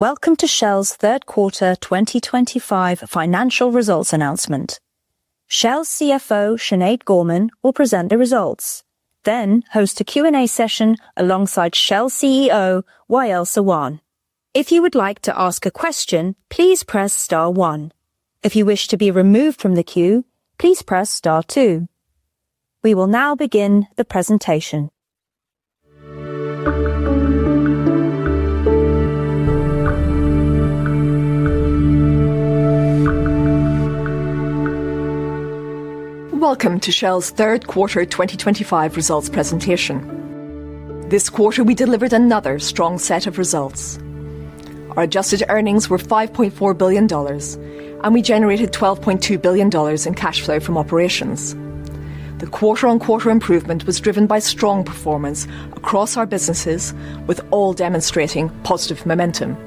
Welcome to Shell's Third Quarter 2025 Financial Results Announcement. Shell's CFO Sinead Gorman will present the results, then host a Q&A session alongside Shell CEO Wael Sawan. If you would like to ask a question, please press Star 1. If you wish to be removed from the queue, please press Star 2. We will now begin. Welcome to Shell's Third Quarter 2025 Results Presentation. This quarter we delivered another strong set of results. Our adjusted earnings were $5.4 billion and we generated $12.2 billion in cash flow from operations. The quarter-on-quarter improvement was driven by strong performance across all, demonstrating positive momentum.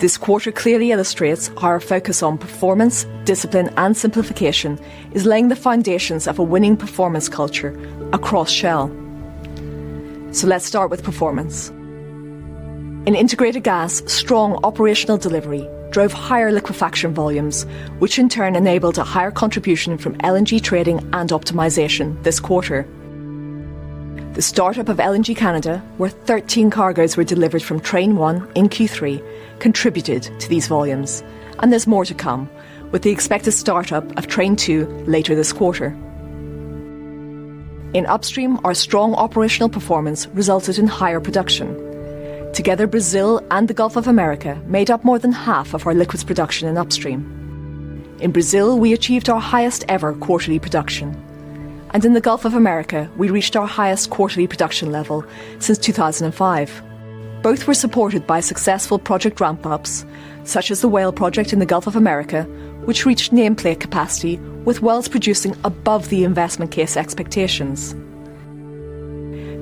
This quarter clearly illustrates how our focus on performance, discipline, and simplification is laying the foundations of a winning performance culture across Shell. Let's start with performance in integrated gas. Strong operational delivery drove higher liquefaction volumes, which in turn enabled a higher contribution from LNG trading and optimization. This quarter, the startup of LNG Canada, where 13 cargoes were delivered from Train 1 in Q3, contributed to these volumes, and there's more to come with the expected startup of Train 2 later this quarter. In upstream, our strong operational performance resulted in higher production. Together, Brazil and the Gulf of Mexico made up more than half of our liquids production in upstream. In Brazil, we achieved our highest ever quarterly production, and in the Gulf of Mexico, we reached our highest quarterly production level since 2005. Both were supported by successful project ramp-ups such as the Whale project in the Gulf of Mexico, which reached nameplate capacity with wells producing above the investment case expectations.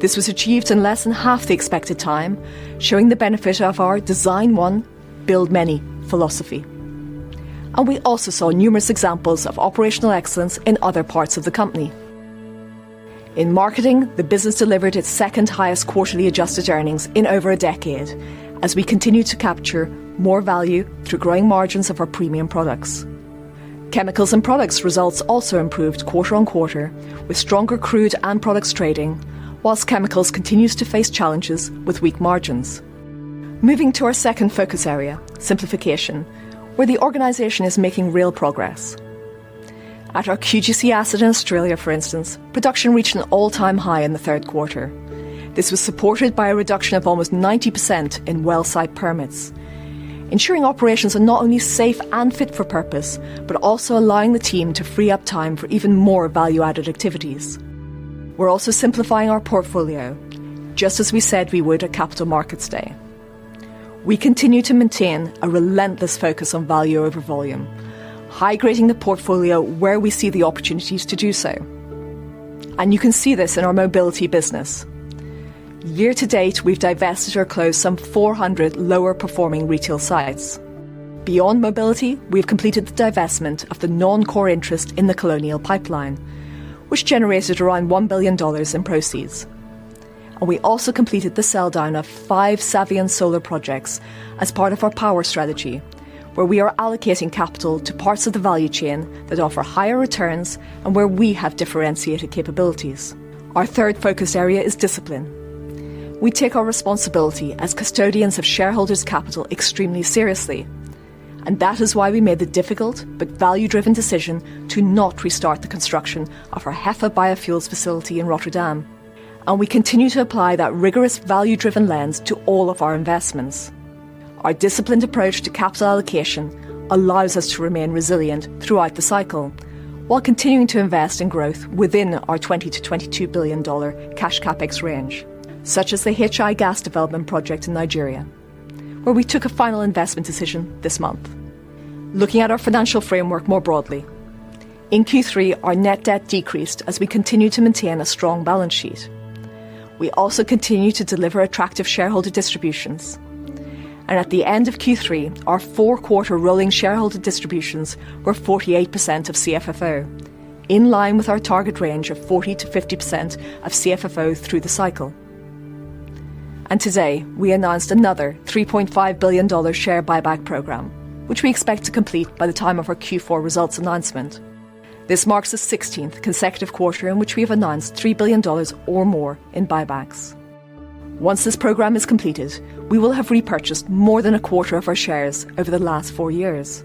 This was achieved in less than half the expected time, showing the benefit of our design one, build many philosophy. We also saw numerous examples of operational excellence in other parts of the company. In marketing, the business delivered its second highest quarterly adjusted earnings in over a decade as we continue to capture more value through growing margins of our premium products, chemicals, and products. Results also improved quarter-on-quarter with stronger crude and products trading, while chemicals continues to face challenges with weak margins. Moving to our second focus area, simplification, where the organization is making real progress. At our QGC asset in Australia, for instance, production reached an all-time high in the third quarter. This was supported by a reduction of almost 90% in well site permits, ensuring operations are not only safe and fit for purpose, but also allowing the team to free up time for even more value-added activities. We're also simplifying our portfolio just as we said we would at Capital Markets Day. We continue to maintain a relentless focus on value over volume, high grading the portfolio where we see the opportunities to do so, and you can see this in our Mobility business. Year to date, we've divested or closed some 400 lower-performing retail sites. Beyond Mobility, we've completed the divestment of the non-core interest in the Colonial Pipeline, which generated around $1 billion in proceeds. We also completed the sell down of five Savion solar projects as part of our Power strategy, where we are allocating capital to parts of the value chain that offer higher returns and where we have differentiated capabilities. Our third focus area is discipline. We take our responsibility as custodians of shareholders' capital extremely seriously, and that is why we made the difficult but value-driven decision to not restart the construction of our HEFA biofuels facility in Rotterdam. We continue to apply that rigorous, value-driven lens to all of our investments. Our disciplined approach to capital allocation allows us to remain resilient throughout the cycle while continuing to invest in growth within our $20 billion-$22 billion cash CapEx range, such as the HI Gas development project in Nigeria, where we took a final investment decision this month. Looking at our financial framework more broadly, in Q3 our net debt decreased as we continued to maintain a strong balance sheet. We also continued to deliver attractive shareholder distributions, and at the end of Q3 our four-quarter rolling shareholder distributions were 48% of CFFO, in line with our target range of 40%-50% of CFFO through the cycle. Today we announced another $3.5 billion share buyback program, which we expect to complete by the time of our Q4 results announcement. This marks the 16th consecutive quarter in which we have announced $3 billion or more in buybacks. Once this program is completed, we will have repurchased more than a quarter of our shares over the last four years.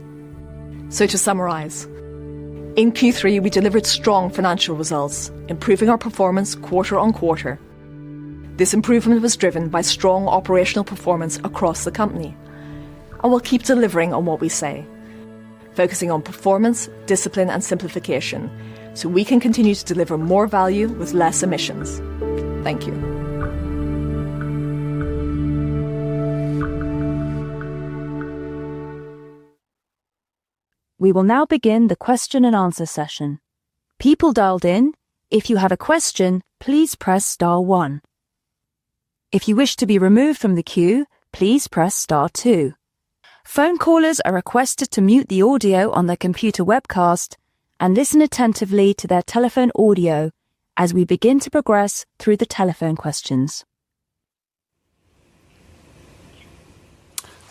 To summarize, in Q3 we delivered strong financial results, improving our performance quarter on quarter. This improvement was driven by strong operational performance across the company, and we'll keep delivering on what we say, focusing on performance discipline and simplification so we can continue to deliver more value with less emissions. Thank you. We will now begin the question and answer session. People dialed in, if you have a question, please press dial 1. If you wish to be removed from the queue, please press star 2. Phone callers are requested to mute the audio on their computer webcast and listen attentively to their telephone audio as we begin to progress through the telephone questions.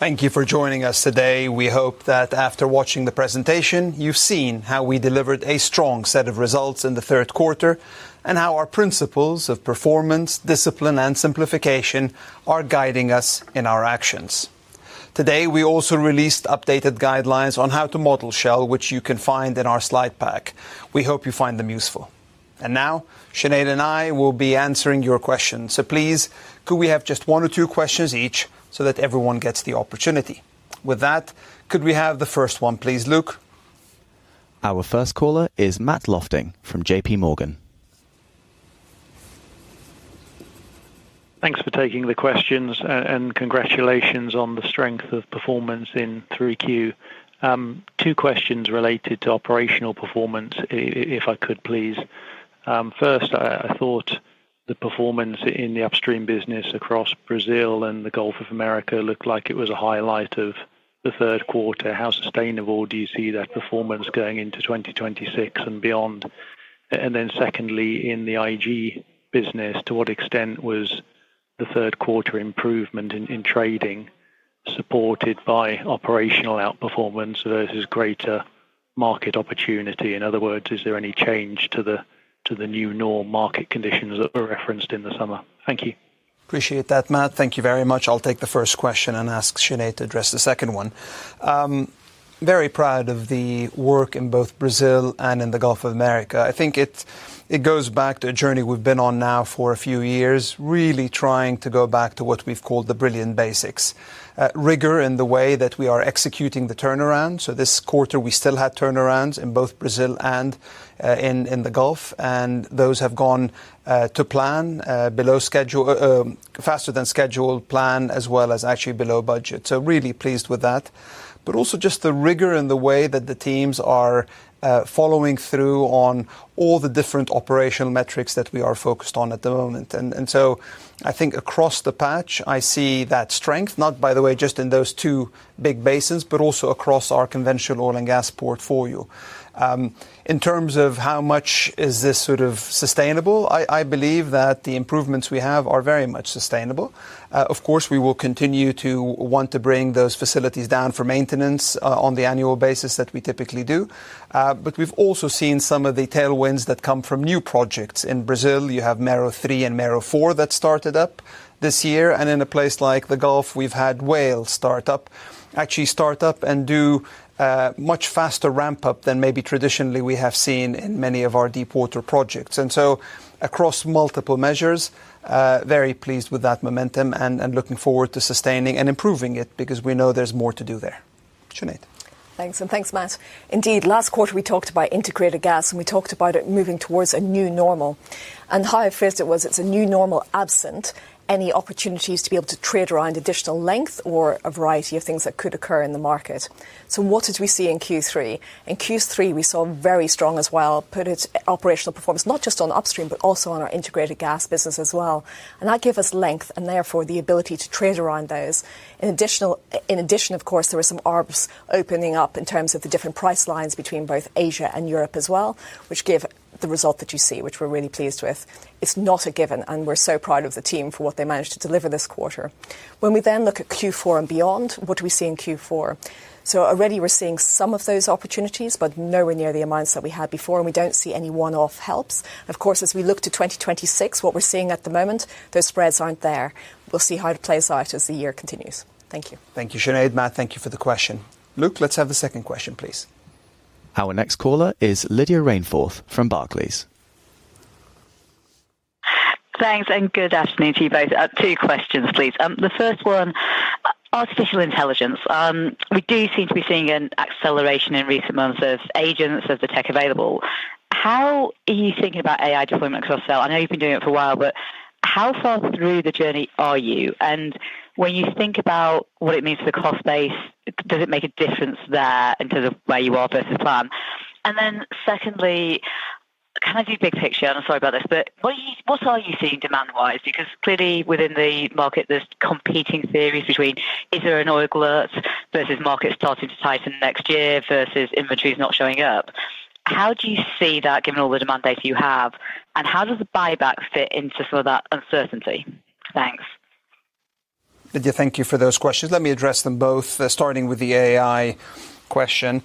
Thank you for joining us today. We hope that after watching the presentation you've seen how we delivered a strong set of results in the third quarter and how our principles of performance, discipline, and simplification are guiding us in our actions today. We also released updated guidelines on how to model Shell, which you can find in our slide pack. We hope you find them useful. Sinead and I will be answering your questions. Please, could we have just one or two questions each so that everyone gets the opportunity? With that, could we have the first one, please, Luke? Our first caller is Matt Lofting from JP Morgan. Thanks for taking the questions and congratulations on the strength of performance in 3Q. Two questions related to operational performance, if I could please. First, I thought the performance in the upstream business across Brazil and the Gulf of Mexico looked like it was a highlight of the third quarter. How sustainable do you see that performance going into 2026 and beyond? Secondly, in the integrated gas business, to what extent was the third quarter improvement in trading supported by operational outperformance versus greater market opportunity? In other words, is there any change to the new norm market conditions that were referenced in the summer? Thank you. Appreciate that, Matt. Thank you very much. I'll take the first question and ask Sinead to address the second one. Very proud of the work in both Brazil and in the Gulf of Mexico. I think it goes back to a journey we've been on now for a few years, really trying to go back to what we've called the brilliant basics, rigor in the way that we are executing the turnaround. This quarter we still had turnarounds in both Brazil and in the Gulf, and those have gone to plan, below schedule, faster than scheduled plan, as well as actually below budget. Really pleased with that, but also just the rigor in the way that the teams are following through on all the different operational metrics that we are focused on at the moment. I think across the patch I see that strength not, by the way, just in those two big basins, but also across our conventional oil and gas portfolio. In terms of how much is this sort of sustainable? I believe that the improvements we have are very much sustainable. Of course, we will continue to want to bring those facilities down for maintenance on the annual basis that we typically do. We've also seen some of the tailwinds that come from new projects in Brazil. You have Mero 3 and Mero 4 that started up this year. In a place like the Gulf, we've had Whale start up, actually start up and do much faster ramp up than maybe traditionally we have seen in many of our deepwater projects. Across multiple measures, very pleased with that momentum and looking forward to sustaining and improving it because we know there's more to do there. Sinead, thanks and thanks, Matt. Indeed, last quarter we talked about integrated gas and we talked about it moving towards a new normal and how I fear it was. It's a new normal, absence, development, any opportunities to be able to trade around additional length or a variety of things that could occur in the market. What did we see in Q3? In Q3, we saw very strong, as well, put its operational performance not just on upstream but also on our integrated gas business as well. That gave us length and therefore the ability to trade around those in additional. In addition, of course, there were some arbs opening up in terms of the different price lines between both Asia and Europe as well, which gives the result that you see, which we're really pleased with. It's not a given and we're so proud of the team for what they managed to deliver this quarter. When we then look at Q4 and beyond, what do we see in Q4? Already we're seeing some of those opportunities but nowhere near the amounts that we had before and we don't see any one-off. Helps, of course, as we look to 2026, what we're seeing at the moment, those spreads aren't there. We'll see how it plays out as the year continues. Thank you. Thank you, Sinead. Matt, thank you for the question. Luke, let's have a second question, please. Our next caller is Lydia Rainforth from Barclays. Thanks and good afternoon to you both. Two questions please. The first one, artificial intelligence. We do seem to be seeing an acceleration in recent months. As agents of the tech available, how are you thinking about AI deployment? I know you've been doing it for a while, but how far through the journey are you? When you think about what it means to the cost base, does it make a difference there in terms of where you are versus plan? Secondly, can I do big picture and I'm sorry about this, but what are you seeing demand wise? Because clearly within the market there's competing theories between is there an oil glut versus market starting to tighten next year versus inventories not showing up? How do you see that given all the demand data you have? How does the buyback fit into some of that uncertainty? Thanks, Vidya, thank you for those questions. Let me address them both, starting with the AI question.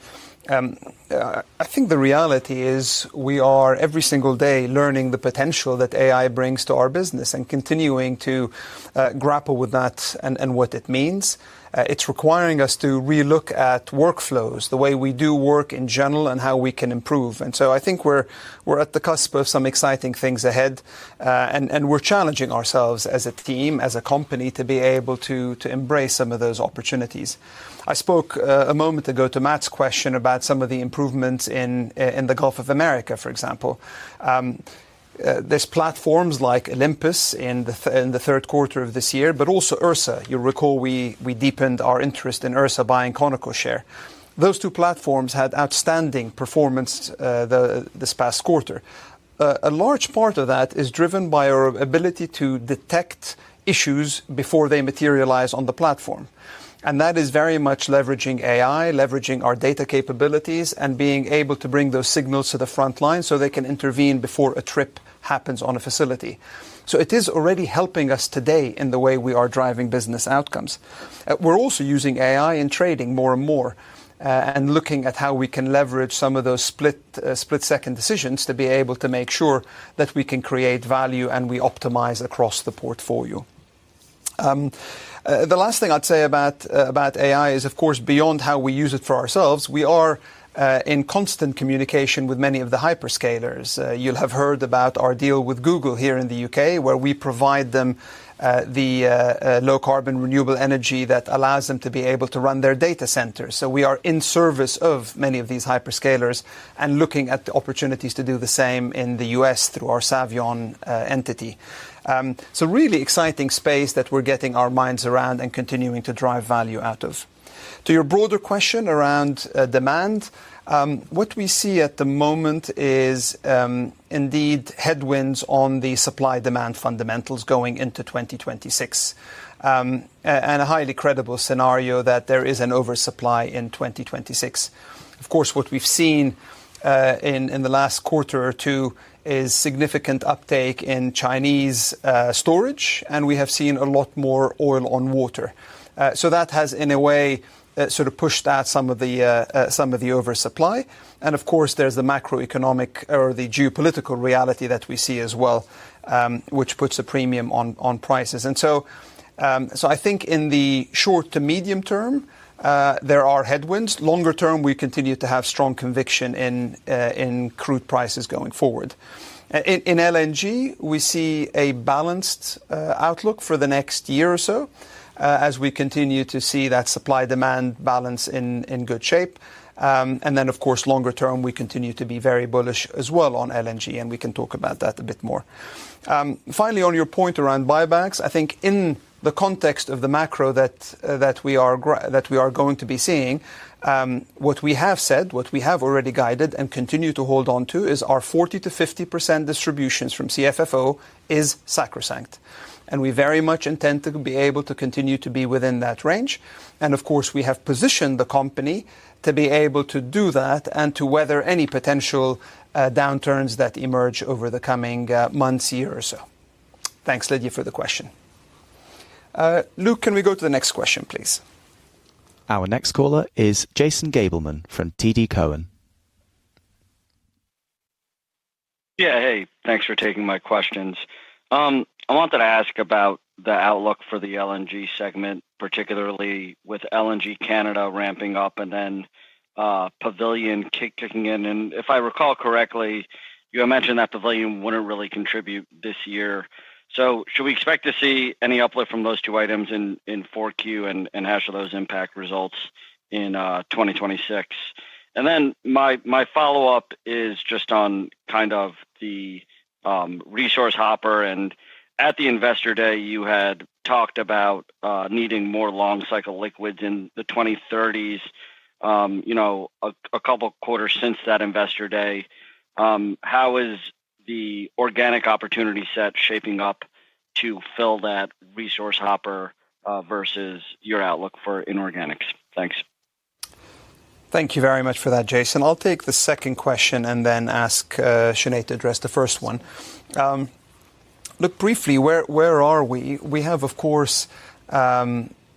I think the reality is we are every single day learning the potential that AI brings to our business and continuing to grapple with that and what it means. It's requiring us to relook at workflows, the way we do work in general, and how we can improve. I think we're at the cusp of some exciting things ahead and we're challenging ourselves as a team, as a company, to be able to embrace some of those opportunities. I spoke a moment ago to Matt's question about some of the improvements in the Gulf of Mexico, for example, there's platforms like Olympus in the third quarter of this year, but also Ursa. You recall we deepened our interest in Ursa, buying Conoco share. Those two platforms had outstanding performance this past quarter. A large part of that is driven by our ability to detect issues before they materialize on the platform. That is very much leveraging AI, leveraging our data capabilities, and being able to bring those signals to the front line so they can intervene before a trip happens on a facility. It is already helping us today in the way we are driving business outcomes. We're also using AI in trading more and more and looking at how we can leverage some of those split-second decisions to be able to make sure that we can create value and we optimize across the portfolio. The last thing I'd say about AI is of course beyond how we use it for ourselves. We are in constant communication with many of the hyperscalers. You'll have heard about our deal with Google here in the U.K. where we provide them the low carbon renewable energy that allows them to be able to run their data centers. We are in service of many of these hyperscalers and looking at the operations opportunities to do the same in the U.S. through our Savion entity. Really exciting space that we're getting our minds around and continuing to drive value out of. To your broader question around demand, what we see at the moment is indeed headwinds on the supply demand fundamentals going into 2026 and a highly credible scenario that there is an oversupply in 2026. Of course, what we've seen in the last quarter or two is significant uptake in Chinese storage and we have seen a lot more oil on water. That has in a way sort of pushed out some of the oversupply, and of course there's the macroeconomic or the geopolitical reality that we see as well, which puts a premium on prices. I think in the short to medium term there are headwinds. Longer term we continue to have strong conviction in crude prices. Going forward in LNG, we see a balanced outlook for the next year or so as we continue to see that supply-demand balance in good shape. Of course, longer term we continue to be very bullish as well on LNG, and we can talk about that a bit more. Finally, on your point around buybacks, I think in the context of the macro that we are going to be seeing, what we have said, what we have already guided and continue to hold on to is our 40-50% distributions from CFFO is sacrosanct, and we very much intend to be able to continue to be within that range. Of course, we have positioned the company to be able to do that and to weather any potential downturns that emerge over the coming months, years. Thanks Lydia for the question. Luke, can we go to the next question please? Our next caller is Jason Gableman from TD Cowen. Yeah, hey, thanks for taking my questions. I wanted to ask about the outlook for the LNG segment, particularly with LNG Canada ramping up and then Pavilion kicking in. If I recall correctly, you imagine that Pavilion wouldn't really contribute this year. Should we expect to see any uplift from those two items in 4Q, and how should those impact results in 2026? My follow up is just on kind of the resource hopper. At the investor day, you had talked about needing more long cycle liquids in the 2000s. A couple quarters since that investor day, how is the organic opportunity set shaping up to fill that resource hopper versus your outlook for inorganics? Thanks. Thank you very much for that, Jason. I'll take the second question and then ask Sinead to address the first one. Briefly, where are we? We have, of course,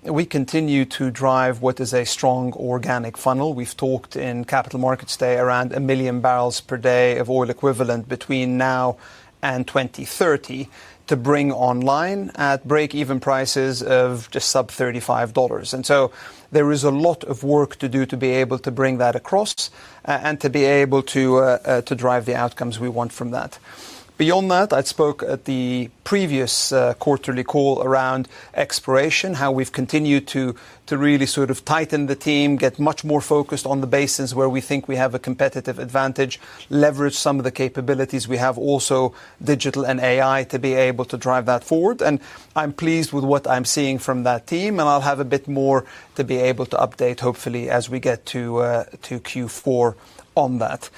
we continue to drive what is a strong organic funnel. We've talked in Capital Markets Day around a million barrels per day of oil equivalent between now and 2030 to bring online at break-even prices of just sub $35. There is a lot of work to do to be able to bring that across and to be able to drive the outcomes we want from that. Beyond that, I spoke at the previous quarterly call around exploration, how we've continued to really sort of tighten the team, get much more focused on the basins where we think we have a competitive advantage, leverage some of the capabilities we have, also digital and artificial intelligence to be able to drive that forward. I'm pleased with what I'm seeing from that team and I'll have a bit more to be able to update hopefully as we get to Q4 on that.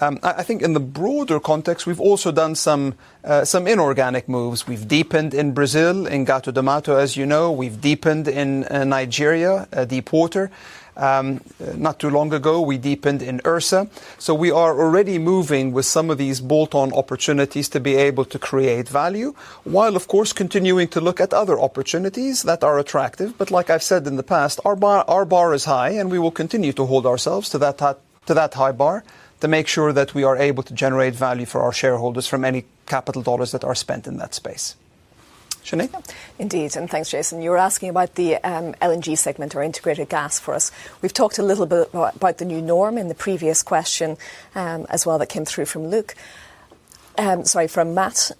I think in the broader context we've also done some inorganic moves. We've deepened in Brazil, in Gato d'Amato, as you know, we've deepened in Nigeria, deep water, not too long ago we deepened in Ursa. We are already moving with some of these bolt-on opportunities to be able to create value while, of course, continuing to look at other opportunities that are attractive. Like I've said in the past, our bar is high and we will continue to hold ourselves to that high bar to make sure that we are able to generate value for our shareholders from any capital dollars that are spent in that space. Sinead? Indeed. Thanks, Jason. You were asking about the LNG segment or integrated gas for us. We've talked a little bit about the new norm in the previous question as well. That came through from Luke, sorry, from Matt.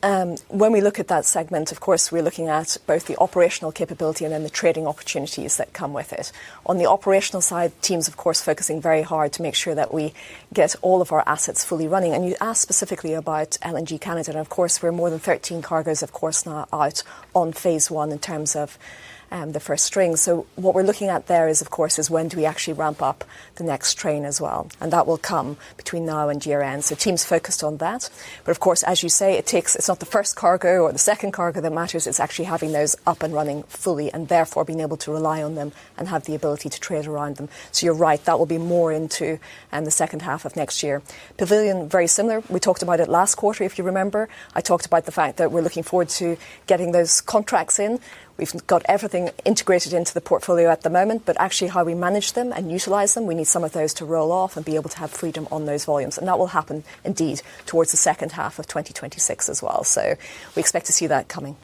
When we look at that segment, of course we're looking at both the operational capability and then the trading opportunities that come with it. On the operational side, teams, of course, focusing very hard to make sure that we get all of our assets fully running. You asked specifically about LNG Canada and, of course, we're more than 13 cargoes, of course not out on phase one in terms of the first string. What we're looking at there is, of course, when do we actually ramp up the next train as well. That will come between now and year end. Teams are focused on that. It takes, it's not the first cargo or the second cargo that matters, it's actually having those up and running fully and therefore being able to rely on them and have the ability to trade around them. You're right, that will be more into the second half of next year. Pavilion, very similar. We talked about it last quarter, if you remember. I talked about the fact that we're looking forward to getting those contracts in. We've got everything integrated into the portfolio at the moment, but actually how we manage them and utilize them, we need some of those to roll off and be able to have freedom on those volumes. That will happen indeed towards the second half of 2026 as well. We expect to see that coming.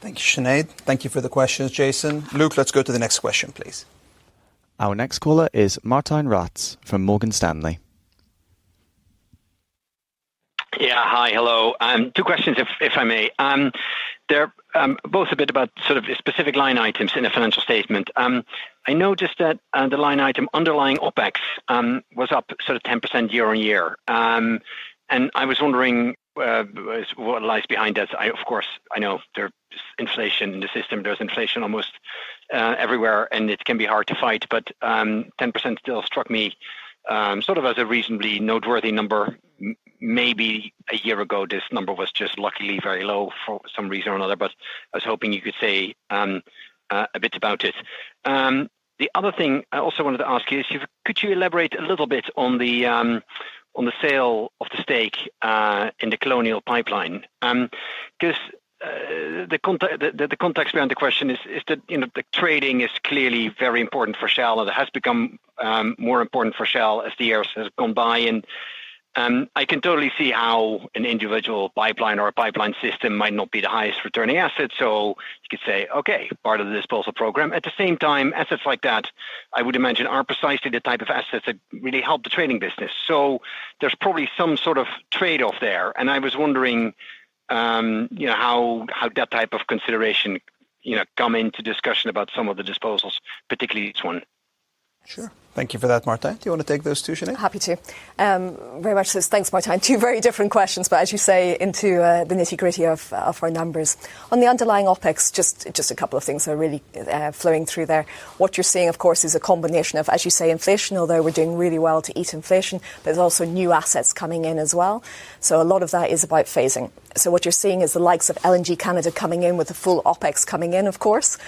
Thank you, Sinead. Thank you for the questions, Jason. Luke, let's go to the next question, please. Our next caller is Martijn Rats from Morgan Stanley. Yeah, hi, hello. Two questions, if I may. They're both a bit about sort of specific line items. In a financial statement, I noticed that the line item underlying OpEx was up sort of 10% year on year. I was wondering what lies behind this. Of course, I know there's inflation in the system. There's inflation almost everywhere and it can be hard to fight. 10% still struck me as a reasonably noteworthy number. Maybe a year ago this number was just luckily very low for some reason or another. I was hoping you could say a bit about it. The other thing I also wanted to ask you is could you elaborate a little bit on the sale of the stake in Colonial Pipeline? The context behind the question is that trading is clearly very important for Shell and it has become more important for Shell as the years have gone by. I can totally see how an individual pipeline or a pipeline system might not be the highest returning asset. You could say, okay, part of the disposal program. At the same time, assets like that I would imagine are precisely the type of assets that really help the trading business. There's probably some sort of trade-off there. I was wondering how that type of consideration comes into discussion about some of the disposals, particularly this one. Sure. Thank you for that. Martijn, do you want to take those two? Happy to, very much this. Thanks Martin. Two very different questions, but as you say, into the nitty gritty of our numbers on the underlying OpEx. Just a couple of things are really flowing through there. What you're seeing of course is a combination of, as you say, inflation, although we're doing really well to ease inflation. There's also new assets coming in as well. A lot of that is about phasing. What you're seeing is the likes of LNG Canada coming in with the full OpEx coming in of course,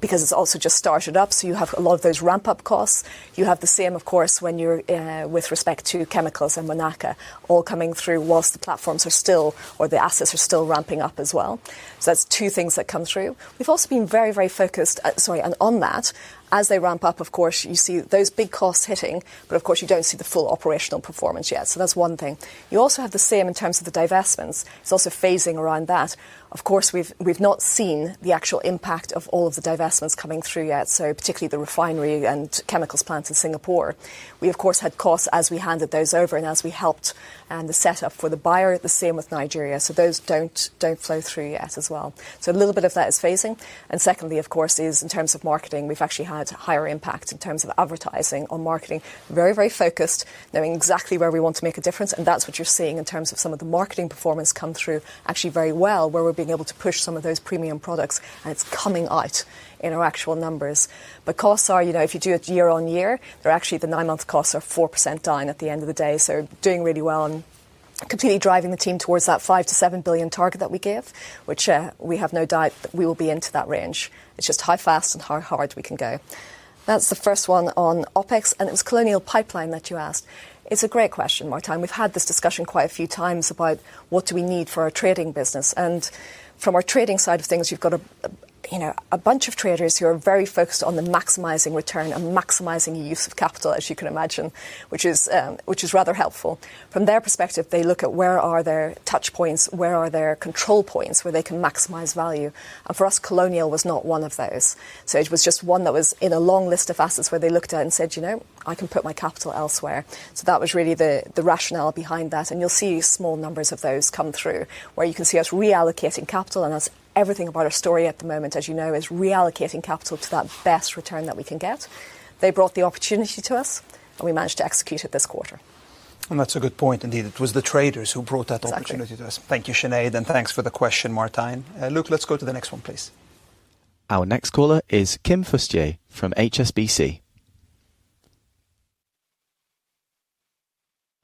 because it's also just started up. You have a lot of those ramp up costs. You have the same of course, with respect to chemicals and Monaca all coming through whilst the platforms are still, or the assets are still ramping up as well. That's two things that come through. We've also been very, very focused. Sorry. On that as they ramp up, of course you see those big costs hitting, but of course you don't see the full operational performance yet. That's one thing. You also have the same in terms of the divestments, it's also phasing around that of course we've not seen the actual impact of all of the divestments coming through yet. Particularly the refinery and chemicals plants in Singapore, we of course had costs as we handed those over and as we helped and the set up for the buyer, the same with Nigeria. Those don't flow through yet as well. A little bit of that is phasing. Secondly, in terms of marketing, we've actually had higher impact in terms of advertising on marketing. Very, very focused, knowing exactly where we want to make a difference. That's what you're seeing in terms of some of the marketing performance come through actually very well where we're being able to push some of those premium products and it's coming out in our actual numbers. Costs are, you know, if you do it year on year, they're actually the nine month costs are 4% down at the end of the day. Doing really well and completely driving the team towards that $5 to $7 billion target that we gave, which we have no doubt we will be into that range. It's just how fast and how hard we can go. That's the first one on OpEx and it was Colonial Pipeline that you asked. It's a great question, Martin. We've had this discussion quite a few times about what do we need for our trading business. From our trading side of things, you've got a bunch of traders who are very focused on maximizing return and maximizing use of capital, as you can imagine, which is rather helpful from their perspective. They look at where are their touch points, where are their control points, where they can maximize value. For us, Colonial Pipeline was not one of those. It was just one that was in a long list of assets where they looked at it and said, you know, I can put my capital elsewhere. That was really the rationale behind that. You'll see small numbers of those come through where you can see us reallocating capital. That's everything about our story at the moment, as you know, reallocating capital to that best return that we can get. They brought the opportunity to us and we managed to execute it this quarter. That's a good point indeed. It was the traders who brought that. Thank you, Sinead, and thanks for the question, Martijn. Luke, let's go to the next one, please. Our next caller is Kim Fustier from HSBC.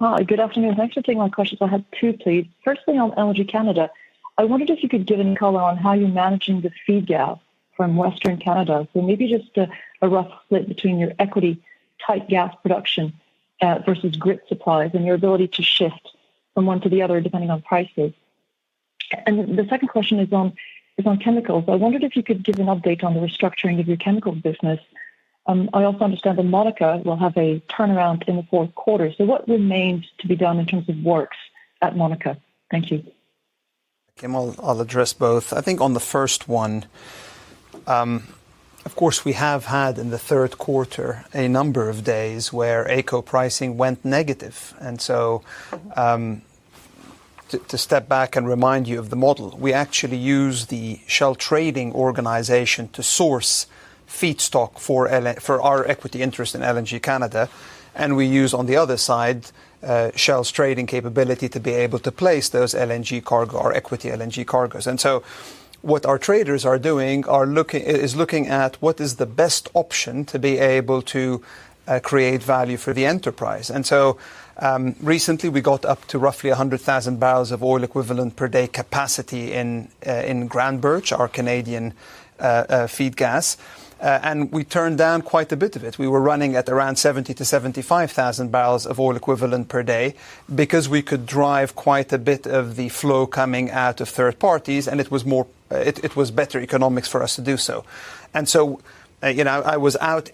Hi, good afternoon. Thanks for taking my questions. I have two, please. Firstly, on LNG Canada, I wondered if you could give any color on how you're managing the feed gap from Western Canada. Maybe just a rough split between your equity tight gas production versus grid supplies and your ability to shift from one to the other, depending on prices. The second question is on chemicals. I wondered if you could give an update on the restructuring of your chemicals business. I also understand that Monaco will have a turnaround in the fourth quarter. What remains to be done in terms of works at Monaco? Thank you, Kim. I'll address both. I think on the first one, of course, we have had in the third quarter a number of days where AECO pricing went negative. To step back and remind you of the model, we actually use the Shell trading organization to source feedstock for our equity interest in LNG Canada, and we use on the other side Shell's trading capability to be able to place those LNG cargo or equity LNG cargoes. What our traders are doing is looking at what is the best option to be able to create value for the enterprise. Recently, we got up to roughly 100,000 barrels of oil equivalent per day capacity in Grand Birch, our Canadian feed gas, and we turned down quite a bit of it. We were running at around 70,000-75,000 barrels of oil equivalent per day because we could drive quite a bit of the flow coming out of third parties, and it was better economics for us to do so. I was out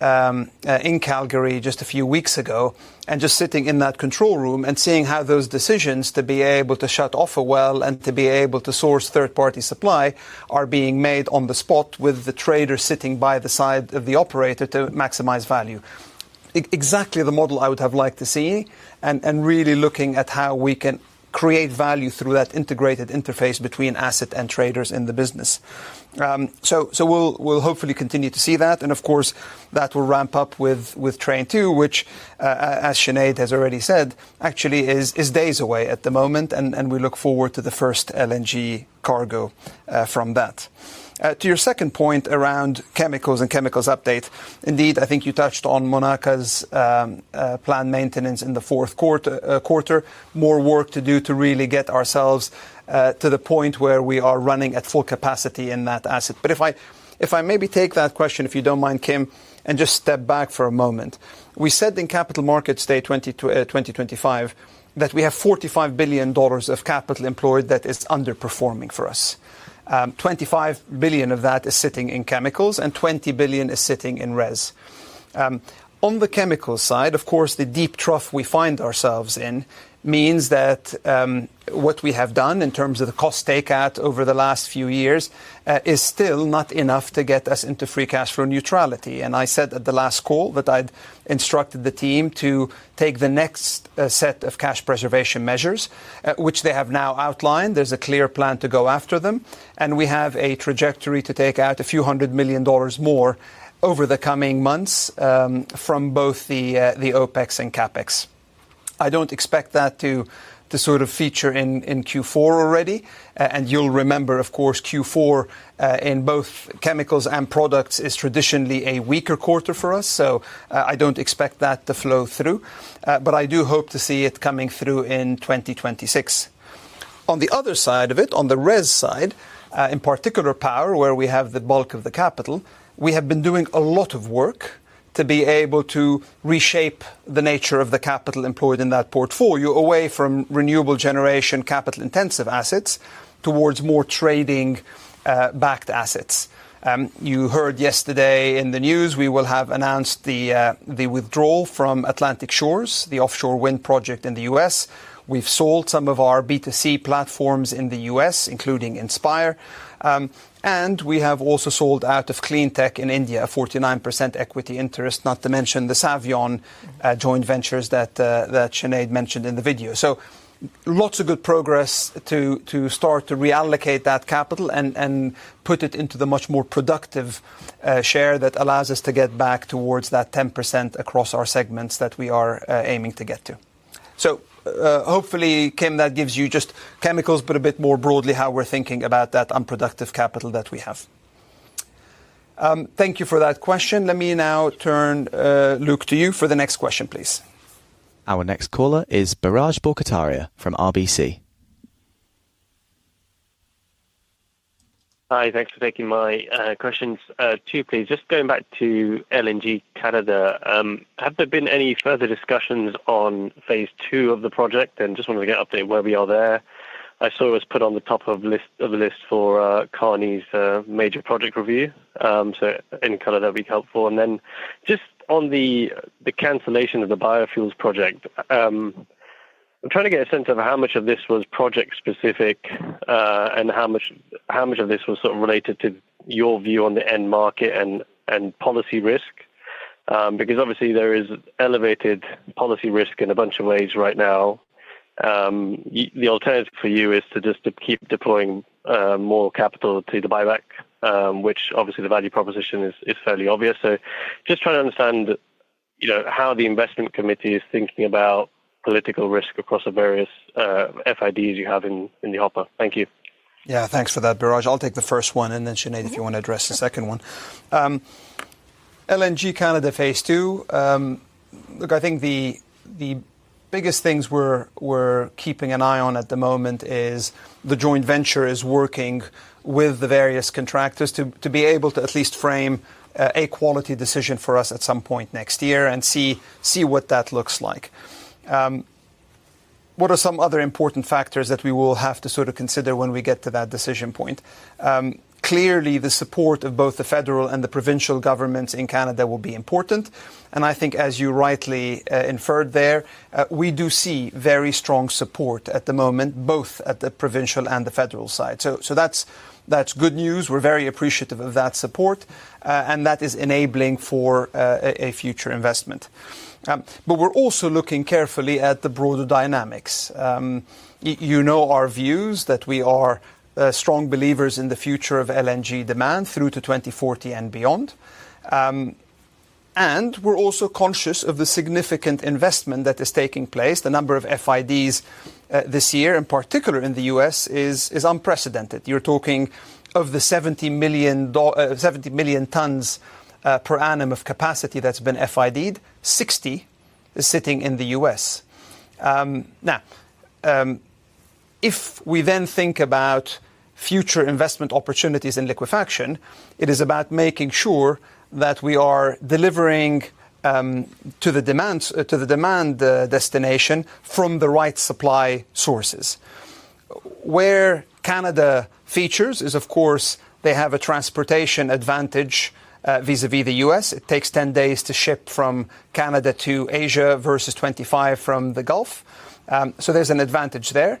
in Calgary just a few weeks ago and just sitting in that control room and seeing how those decisions to be able to shut off a well and to be able to source third-party supply are being made on the spot with the trader sitting by the side of the operator to maximize value. Exactly the model I would have liked to see and really looking at how we can create value through that integrated interface between asset and traders in the business. We will hopefully continue to see that, and of course, that will ramp up with Train 2, which as Sinead Gorman has already said, actually is days away at the moment, and we look forward to the first LNG cargo from that. To your second point around chemicals and chemicals update, indeed, I think you touched on Monaco's planned maintenance in the fourth quarter. More work to do to really get ourselves to the point where we are running at full capacity in that asset. If I maybe take that question, if you don't mind, Kim, and just step back for a moment. We said in Capital Markets Day 2025 that we have $45 billion of capital employed that is underperforming for us. $25 billion of that is sitting in chemicals, and $20 billion is sitting in res. On the chemicals side, of course, the deep trough we find ourselves in means that what we have done in terms of the cost takeout over the last few years is still not enough to get us into free cash flow neutrality. I said at the last call that I'd instructed the team to take the next set of cash preservation measures, which they have now outlined. There's a clear plan to go after them, and we have a trajectory to take out a few hundred million dollars more over the coming months from both the OpEx and CapEx. I don't expect that to sort of feature in Q4 already, and you'll remember of course Q4 in both chemicals and products is traditionally a weaker quarter for us. I don't expect that to flow through, but I do hope to see it coming through in 2026. On the other side of it, on the res side, in particular power where we have the bulk of the capital, we have been doing a lot of work to be able to reshape the nature of the capital employed in that portfolio away from renewable generation capital intensive assets towards more trading backed assets. You heard yesterday in the news we will have announced the withdrawal from Atlantic Shores, the offshore wind project in the U.S. We've sold some of our B2C platforms in the U.S., including Inspire, and we have also sold out of Cleantech in India, a 49% equity interest, not to mention the Savion joint ventures that Sinead mentioned in the video. Lots of good progress to start to reallocate that capital and put it into the much more productive share that allows us to get back towards that 10% across our segments that we are aiming to get to. Hopefully, Kim, that gives you just chemicals but a bit more broadly how we're thinking about that unproductive capital that we have. Thank you for that question. Let me now turn, Luke, to you for the next question, please. Our next caller is Biraj Borkhataria from RBC. Hi, thanks for taking my questions too, please. Just going back to LNG Canada, have there been any further discussions on phase two of the project, and just wanted to get an update where we are there. I saw it was put on the top of the list for Carney's major project review. Any color, that'd be helpful. And then just on the cancellation of the biofuels project, I'm trying to get a sense of how much of this was project specific and how much of this was sort of related to your view on the end market and policy risk, because obviously there is elevated policy risk in a bunch of ways right now. The alternative for you is to just keep deploying more capital to the buyback, which obviously the value proposition is fairly obvious. Just trying to understand how the investment committee is thinking about political risk across the various FIDs you have in the hopper. Thank you. Yeah, thanks for that Biraj. I'll take the first one and then Sinead, if you want to address the second one. LNG Canada phase two. I think the biggest things we're keeping an eye on at the moment is the joint venture is working with the various contractors to be able to at least frame a quality decision for us at some point next year and see what that looks like. What are some other important factors that we will have to sort of consider when we get to that decision point? Clearly, the support of both the federal and the provincial governments in Canada will be important and I think, as you rightly inferred there, we do see very strong support at the moment, both at the provincial and the federal side. That's good news. We're very appreciative of that support and that is enabling for a future investment. We're also looking carefully at the broader dynamics. Our view is that we are strong believers in the future of LNG demand through to 2040 and beyond. We're also conscious of the significant investment that is taking place. The number of FIDs this year in particular in the U.S. is unprecedented. You're talking of the 70 million tonnes per annum of capacity that's been FID, 60 is sitting in the U.S. Now, if we then think about future investment opportunities in liquefaction, it is about making sure that we are delivering to the demand destination from the right supply sources. Where Canada features is of course they have a transportation advantage vis-à-vis the U.S. It takes 10 days to ship from Canada to Asia versus 25 from the Gulf. There's an advantage there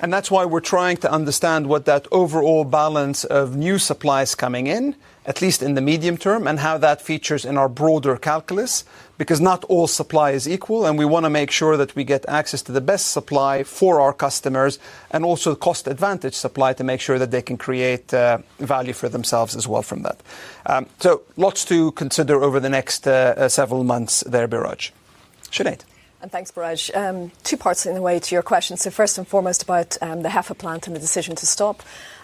and that's why we're trying to understand what that overall balance of new supply is coming in, at least in the medium term, and how that features in our broader calculus because not all supply is equal and we want to make sure that we get access to the best supply for our customers and also cost advantage supply to make sure that they can create value for themselves as well from that. Lots to consider over the next several months there. Thanks Sinead and thanks. Two parts in the way to your question. First and foremost about the HEFA biofuels facility and the decision to stop.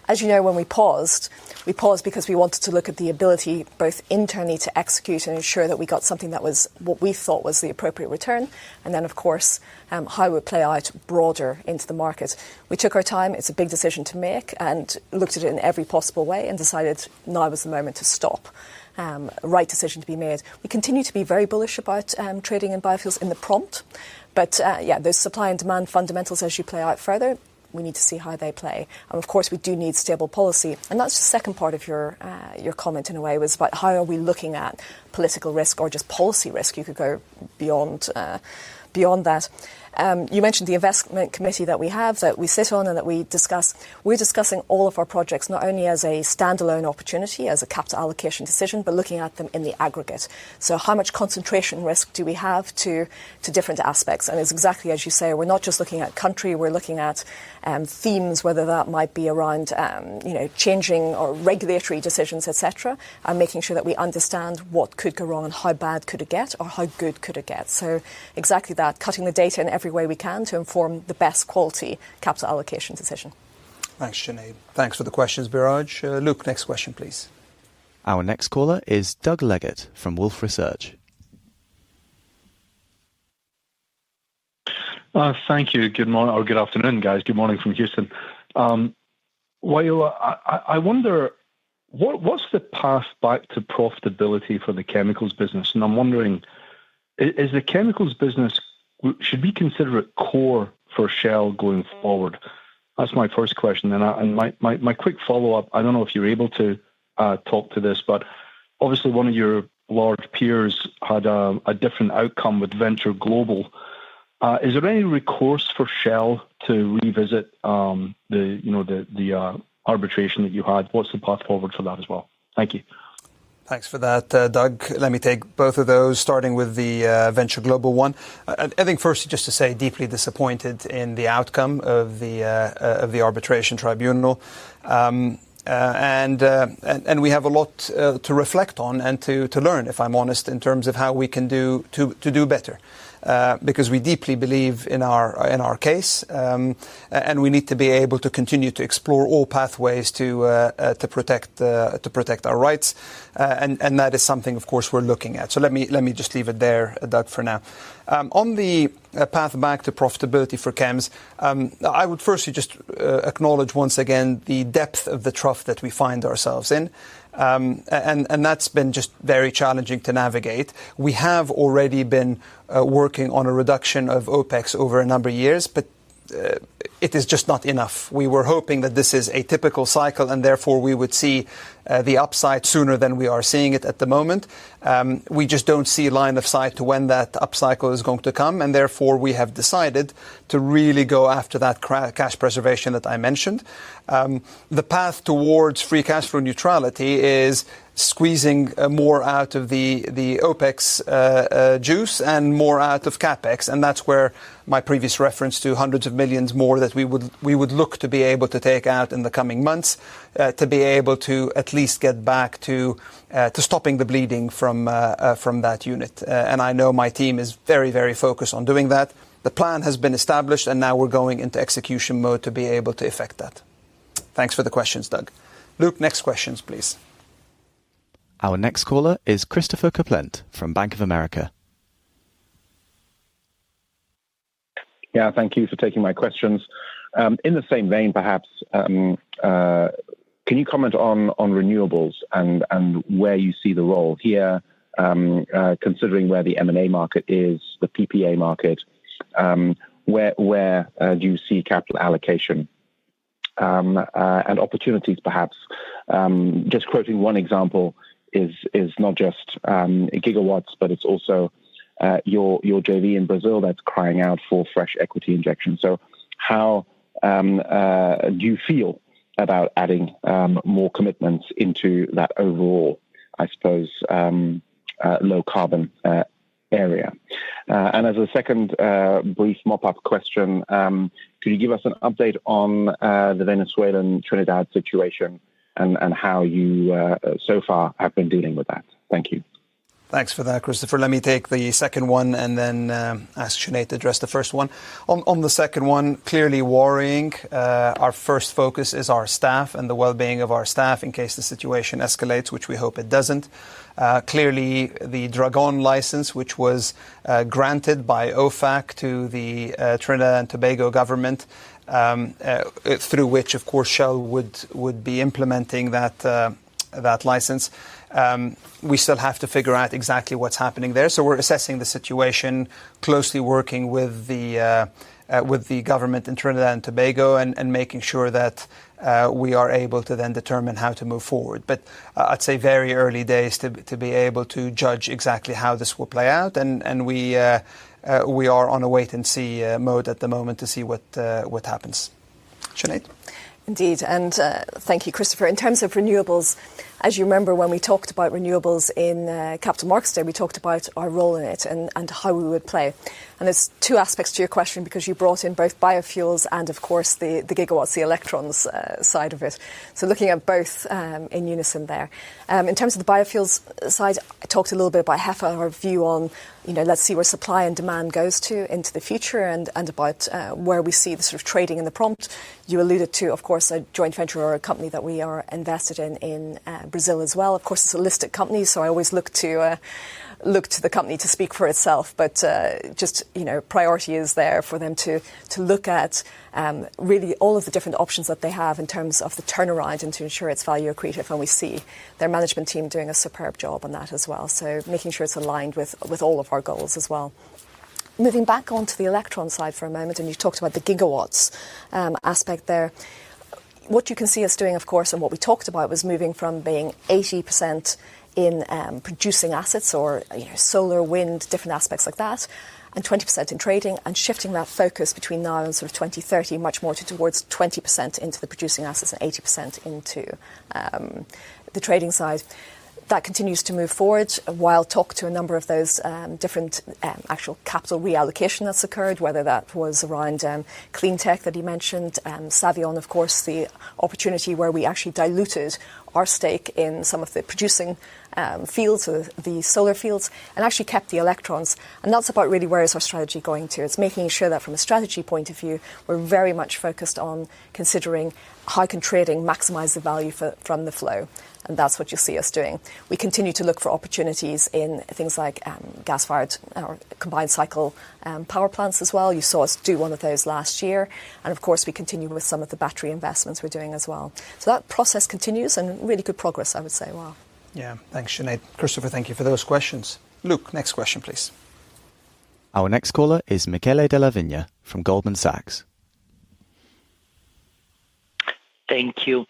As you know, when we paused, we paused because we wanted to look at the ability both internally to execute and ensure that we got something that was what we thought was the appropriate return. Of course, how it would play out broader into the market. We took our time. It's a big decision to make and looked at it in every possible way and decided now is the moment to stop. Right decision to be made. We continue to be very bullish about trading in biofuels in the prompt. Those supply and demand fundamentals, as you play out further, we need to see how they play and of course we do need stable policy. The second part of your comment in a way was about how are we looking at political risk or just policy risk. You could go beyond that. You mentioned the investment committee that we have, that we sit on and that we discuss. We're discussing all of our projects not only as a standalone opportunity, as a capital allocation decision, but looking at them in the aggregate. How much concentration risk do we have to different aspects and it's exactly as you say. We're not just looking at country, we're looking at themes whether that might be around changing or regulatory decisions, etc. Making sure that we understand what could go wrong and how bad could it get or how good could it get. Exactly that. Cutting the data in every way we can to inform the best quality capital allocation decision. Thanks, Sinead. Thanks for the questions, Biraj. Luke, next question, please. Our next caller is Doug Leggate from Wolfe Research. Thank you. Good morning or good afternoon, guys. Good morning from Houston. I wonder what's the path back to profitability for the chemicals business? I'm wondering, is the chemicals business, should we consider it core for Shell going forward? That's my first question and my quick follow-up. I don't know if you're able to talk to this, but obviously one of your large peers had a different outcome with Venture Global. Is there any recourse for Shell to revisit the arbitration that you had? What's the path forward for that as well? Thank you. Thanks for that, Doug. Let me take both of those starting with the Venture Global one. I think first just to say deeply disappointed in the outcome of the arbitration tribunal. We have a lot to reflect on and to learn if I'm honest in terms of how we can do better because we deeply believe in our case and we need to be able to continue to explore all pathways to protect our rights. That is something of course we're looking at. Let me just leave it there, Doug, for now. On the path back to profitability for cams, I would firstly just acknowledge once again the depth of the trough that we find ourselves in and that's been just very challenging to navigate. We have already been working on a reduction of OpEx over a number of years, but it is just not enough. We were hoping that this is a typical cycle and therefore we would see the upside sooner than we are seeing it at the moment. We just don't see line of sight to when that upcycle is going to come and therefore we have decided to really go after that cash preservation that I mentioned. The path towards free cash flow neutrality is squeezing more out of the OpEx juice and more out of CapEx. That's where my previous reference to hundreds of millions more that we would look to be able to take out in the coming months to be able to at least get back to stopping the bleeding from that unit. I know my team is very, very focused on doing that. The plan has been established and now we're going into execution mode to be able to effect that. Thanks for the questions, Doug. Luke, next questions please. Our next caller is Christopher Kuplent from Bank of America. Thank you for taking my questions. In the same vein, perhaps can you comment on renewables and where you see the role here considering where the M&A market is, the PPA market, where do you see capital allocation and opportunities? Perhaps just quoting one example, it's not just gigawatts but it's also your JV in Brazil that's crying out for fresh equity injection. How do you feel about adding more commitments into that overall? I suppose low carbon area. As a second brief mop up question, could you give us an update on the Venezuelan Trinidad situation and how you so far have been dealing with that? Thank you, thanks for that, Christopher. Let me take the second one and then ask Sinead to address the first one. On the second one, clearly worrying. Our first focus is our staff and the well-being of our staff in case the situation escalates, which we hope it doesn't. Clearly, the Dragon license, which was granted by OFAC to the Trinidad and Tobago government, through which, of course, Shell would be implementing that license. We still have to figure out exactly what's happening there. We are assessing the situation closely, working with the government in Trinidad and Tobago and making sure that we are able to then determine how to move forward. I'd say it's very early days to be able to judge exactly how this will play out, and we are on a wait and see mode at the moment to see what happens. Indeed. Thank you, Christopher. In terms of renewables, as you remember when we talked about renewables in Capital Markets Day, we talked about our role in it and how we would play. There are two aspects to your question because you brought in both biofuels and, of course, the gigawatts, the electrons side of it. Looking at both in unison there, in terms of the biofuels side, I talked a little bit about HEFA, our view on, you know, let's see where supply and demand goes into the future and about where we see the sort of trading in the prompt. You alluded to, of course, a joint venture or a company that we are invested in in Brazil as well. Of course, it's a listed company, so I always look to the company to speak for itself, but just, you know, priority is there for them to look at really all of the different options that they have in terms of the turnaround and to ensure it's value accretive. We see their management team doing a superb job on that as well, making sure it's aligned with all of our goals as well. Moving back onto the electron side for a moment, you talked about the gigawatts aspect there. What you can see us doing, of course, and what we talked about was moving from being 80% in producing assets or solar, wind, different aspects like that, and 20% in trading, and shifting that focus between now and 2030 much more towards 20% into the producing assets and 80% into the trading side. That continues to move forward. While I talk to a number of those different actual capital reallocations that's occurred, whether that was around Cleantech that he mentioned, Savion, of course, the opportunity where we actually diluted our stake in some of the producing fields, the solar fields, and actually kept the electrons, and that's about really where is our strategy going to. It's making sure that from a strategy point of view we're very much focused on considering how can trading maximize the value from the flow, and that's what you'll see us doing. We continue to look for opportunities in things like gas-fired combined cycle power plants as well. You saw us do one of those last year, and we continue with some of the battery investments we're doing as well. That process continues and really good progress, I would say. Wow. Yeah. Thanks, Sinead. Christopher, thank you for those questions. Luke, next question, please. Our next caller is Michele Della Vigna from Goldman Sachs. Thank you.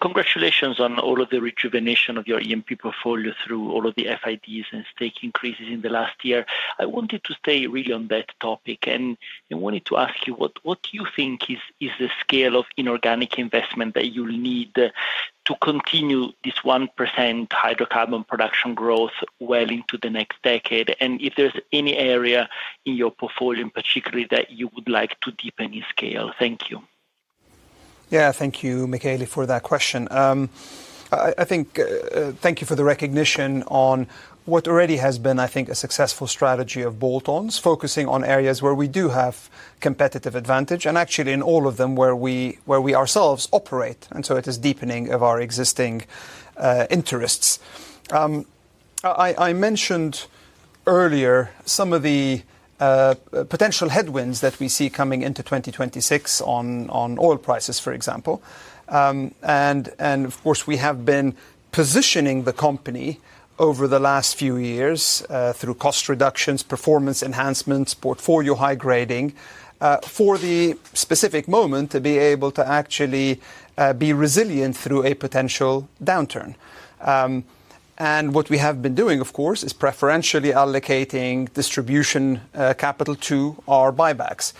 Congratulations on all of the rejuvenation of your E&P portfolio through all of the FIDs and stake increases in the last year. I wanted to stay really on that topic and ask you what you think is the scale of inorganic investment that you need to continue this 1% hydrocarbon production growth well into the next decade, and if there's any area in your portfolio particularly that you would like to deepen in scale. Thank you. Yeah, thank you, Michele, for that question, I think. Thank you for the recognition on what already has been, I think, a successful strategy of Shell, focusing on areas where we do have competitive advantage and actually in all of them where we, where we ourselves operate. It is deepening of our existing interests. I mentioned earlier some of the potential headwinds that we see coming into 2026 on oil prices, for example. Of course, we have been positioning the company over the last few years through cost reductions, performance enhancements, portfolio high grading for the specific moment to be able to actually be resilient through a potential downturn. What we have been doing, of course, is preferentially allocating distribution capital to our buybacks.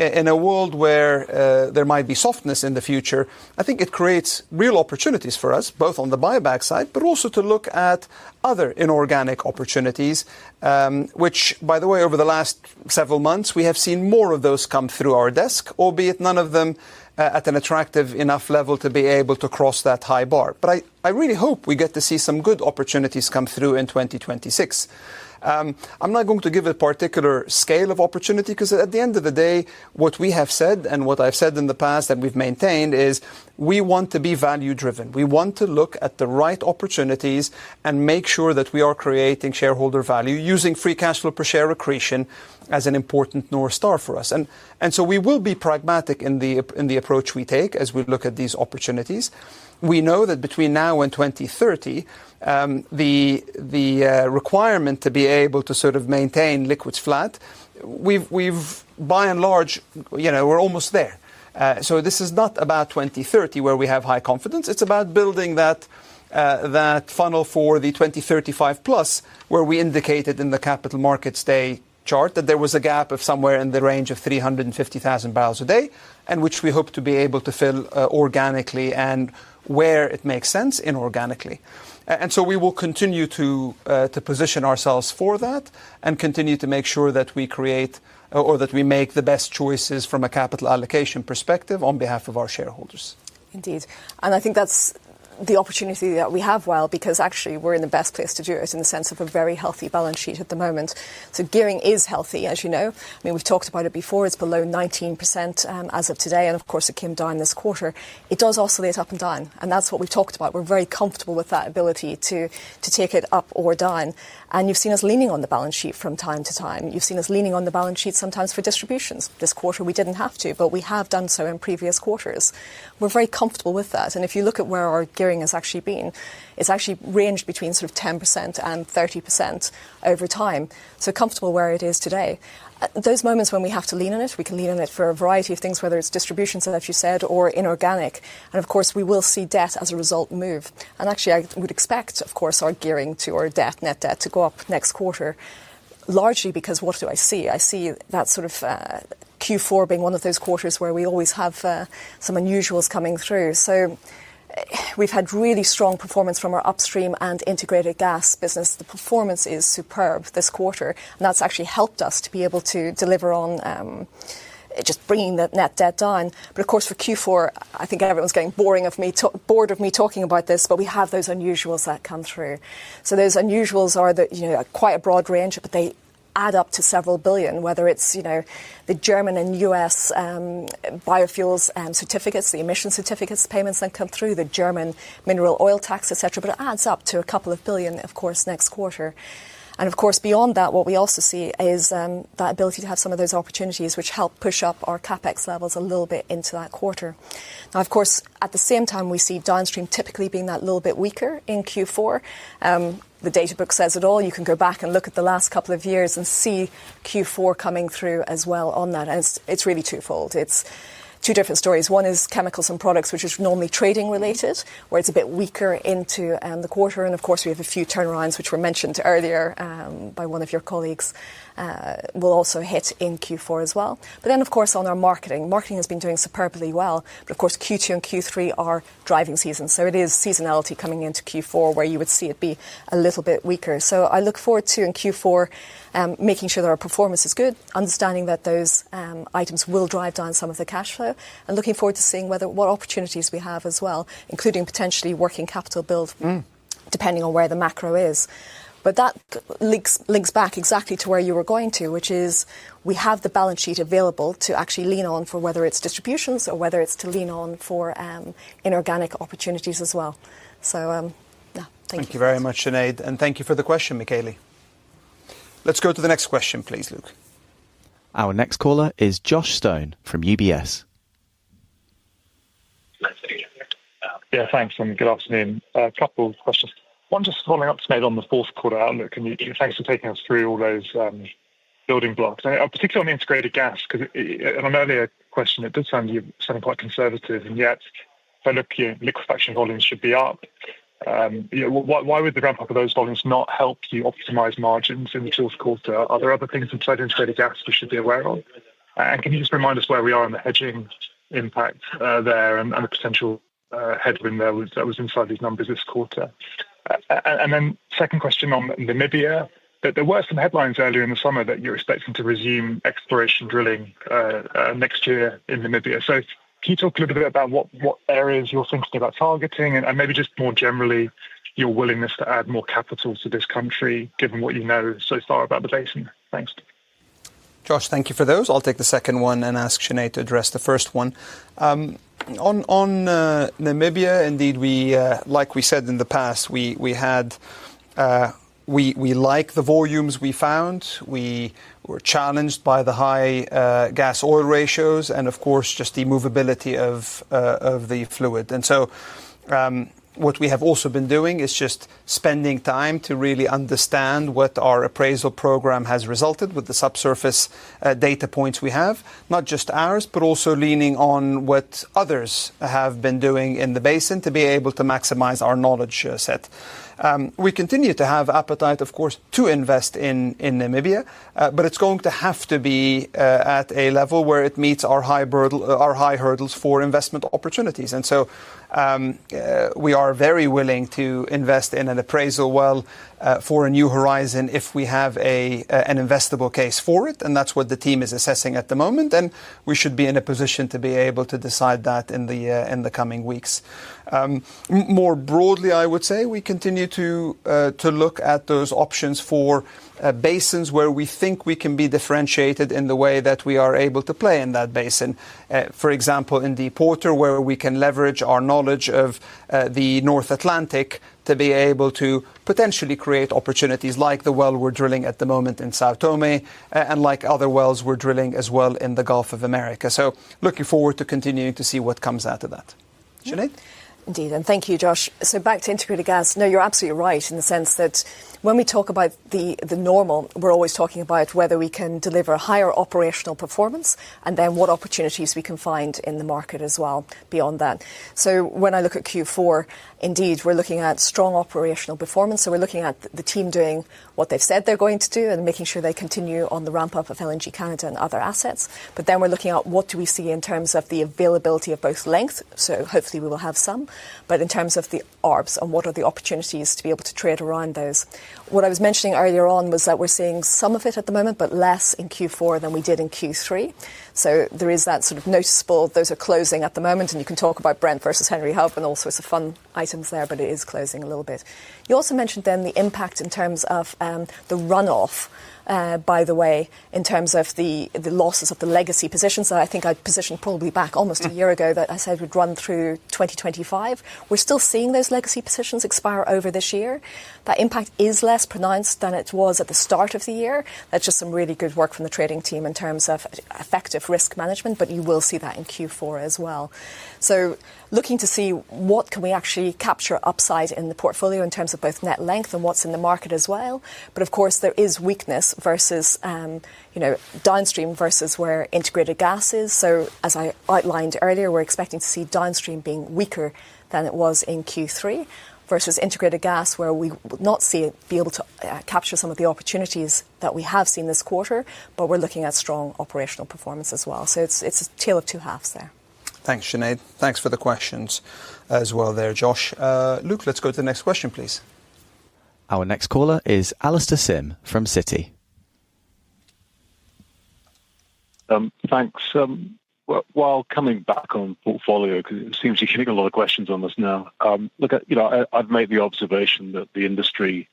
In a world where there might be some softness in the future, I think it creates real opportunities for us both on the buyback side, but also to look at other inorganic opportunities, which, by the way, over the last several months we have seen more of those come through our desk, albeit none of them at an attractive enough level to be able to cross that high bar. I really hope we get to see some good opportunities come through in 2026. I'm not going to give a particular scale of opportunity because at the end of the day, what we have said and what I've said in the past that we've maintained is we want to be value driven. We want to look at the right opportunities and make sure that we are creating shareholder value using free cash flow per share accretion as an important North Star for us. We will be pragmatic in the approach we take as we look at these opportunities. We know that between now and 2030, the requirement to be able to sort of maintain liquids flat. We've, by and large, you know, we're almost there. This is not about 2030 where we have high confidence. It's about building that funnel for the 2035 plus where we indicated in the capital markets day chart that there was a gap of somewhere in the range of 350,000 barrels a day, and which we hope to be able to fill organically and where it makes sense inorganically. We will continue to position ourselves for that and continue to make sure that we create or that we make the best choices from a capital allocation perspective on behalf of our shareholders. Indeed. I think that's the opportunity that we have while. Because actually we're in the best place to do it in the sense of a very healthy balance sheet at the moment. Gearing is healthy, as you know. I mean, we've talked about it before. It's below 19% as of today. It came down this quarter. It does oscillate up and down, and that's what we talked about. We're very comfortable with that ability to take it up or down. You've seen us leaning on the balance sheet from time to time. You've seen us leaning on the balance sheet sometimes for distributions this quarter. We didn't have to, but we have done so in previous quarters. We're very comfortable with that. If you look at where our gearing has actually been, it's actually ranged between sort of 10% and 30% over the time. Comfortable where it is today, those moments when we have to lean on it, we can lean on it for a variety of things, whether it's distributions that you said or inorganic. We will see debt as a result move. I would expect, of course, our gearing to our debt, net debt to go up next quarter, largely because what do I see? I see that sort of Q4 being one of those quarters where we always have some unusuals coming through. We've had really strong, strong performance from our upstream and integrated gas business. The performance is superb this quarter, and that's actually helped us to be able to deliver on just bringing that net debt down. For Q4, I think everyone's getting bored of me talking about this. We have those unusual that come through. Those unusuals are that, you know, quite a broad range, but they add up to several billion, whether it's, you know, the German and U.S. biofuels certificates, the emission certificates, payments that come through, the German mineral oil tax, etc. It adds up to a couple of billion of course next quarter. Beyond that, what we also see is that ability to have some of those opportunities which help push up our CapEx levels a little bit into that quarter. At the same time, we see downstream typically being that little bit weaker in Q4. The data book says it all. You can go back and look at the last couple of years and see Q4 coming through as well on that. It's really twofold. It's two different stories. One is chemicals and products, which is normally trading related where it's a bit weaker into the quarter. We have a few turnarounds which were mentioned earlier by one of your colleagues that will also hit in Q4 as well. On our marketing, marketing has been doing superbly well. Q2 and Q3 are driving season, so it is seasonality coming into Q4 where you would see it be a little bit weaker. I look forward to in Q4 making sure that our performance is good, understanding that those items will drive down some of the cash flow and looking forward to seeing what opportunities we have as well, including potentially working capital build depending on where the macro is. That links back exactly to where you were going to, which is we have the balance sheet available to actually lean on for whether it's distributions or whether it's to lean on for inorganic opportunities as well. Thank you. Thank you very much, Sinead, and thank you for the question, Michele. Let's go to the next question, please, Luke. Our next caller is Josh Stone from UBS. Yeah, thanks and good afternoon. A couple of questions, one just following up to Ned on the fourth quarter outlook. Thanks for taking us through all those building blocks, particularly on the integrated gas. Because on an earlier question, it does sound quite conservative and yet liquefaction volumes should be up. Why would the ramp up of those volumes not help you optimize margins in the fourth quarter? Are there other things inside integrated gas we should be aware of? Can you just remind us where we are in the hedging impact there and the potential headwind that was inside these numbers this quarter? Second question on Namibia, there were some headlines earlier in the summer that you're expecting to resume exploration drilling next year in Namibia. Can you talk a little bit about what areas you're thinking about targeting and maybe just more generally your willingness to add more capital to this country given what you know so far about the basin? Thanks, Josh. JoshThank you for those. I'll take the second one and ask Sinead to address the first one on Namibia. Indeed, like we said in the past, we like the volumes we found. We were challenged by the high gas oil ratios and of course just the movability of the fluid. What we have also been doing is spending time to really understand what our appraisal program has resulted with the subsurface data points we have, not just ours, but also leaning on what others have been doing in the basin to be able to maximize our knowledge set. We continue to have appetite, of course, to invest in Namibia, but it's going to have to be at a level where it meets our high hurdles for investment opportunities. We are very willing to invest in an appraisal well for a new horizon if we have an investable case for it. That's what the team is assessing at the moment and we should be in a position to be able to decide that in the coming weeks. More broadly, I would say we continue to look at those options for basins where we think we can be differentiated in the way that we are able to play in that basin, for example, in the Porter, where we can leverage our knowledge of the North Atlantic to be able to potentially create opportunities like the well we're drilling at the moment in Sao Tome and like other wells we're drilling as well in the Gulf of Mexico. Looking forward to continuing to see what comes out of that, Sinead Indeed. Thank you, Josh. Back to integrated gas now. You're absolutely right in the sense that when we talk about the normal, we're always talking about whether we can deliver higher operational performance and then what opportunities we can find in the market as well beyond that. When I look at Q4, we're looking at strong operational performance. We're looking at the team doing what they've said they're going to do and making sure they continue on the ramp up of LNG Canada and other assets. We're looking at what do we see in terms of the availability of both length. Hopefully we will have some. In terms of the ARBs and what are the opportunities to be able to trade around those, what I was mentioning earlier was that we're seeing some of it at the moment, but less in Q4 than we did in Q3. There is that sort of noticeable, those are closing at the moment and you can talk about Brent vs. Henry Hub and all sorts of fun items there, but it is closing a little bit. You also mentioned the impact in terms of the runoff, by the way, in terms of the losses of the legacy positions that I think I positioned probably back almost a year ago that I said would run through 2025. We're still seeing those legacy positions expire over this year. That impact is less pronounced than it was at the start of the year. That's just some really good work from the trading team in terms of effective risk management. You will see that in Q4 as well. Looking to see what can we actually capture upside in the portfolio in terms of both net length and what's in the market as well. Of course, there is weakness versus downstream versus where integrated gas is. As I outlined earlier, we're expecting to see downstream being weaker than it was in Q3 versus integrated gas where we would not see it be able to capture some of the opportunities that we have seen this quarter. We're looking at strong operational performance as well. It's a tale of two halves there. Thanks, Sinead. Thanks for the questions as well there, Josh. Luke, let's go to the next question, please. Our next caller is Alastair Syme from Citi. Thanks. While coming back on portfolio because it seems you can get a lot of questions on this now, look, I've made the observation that the industry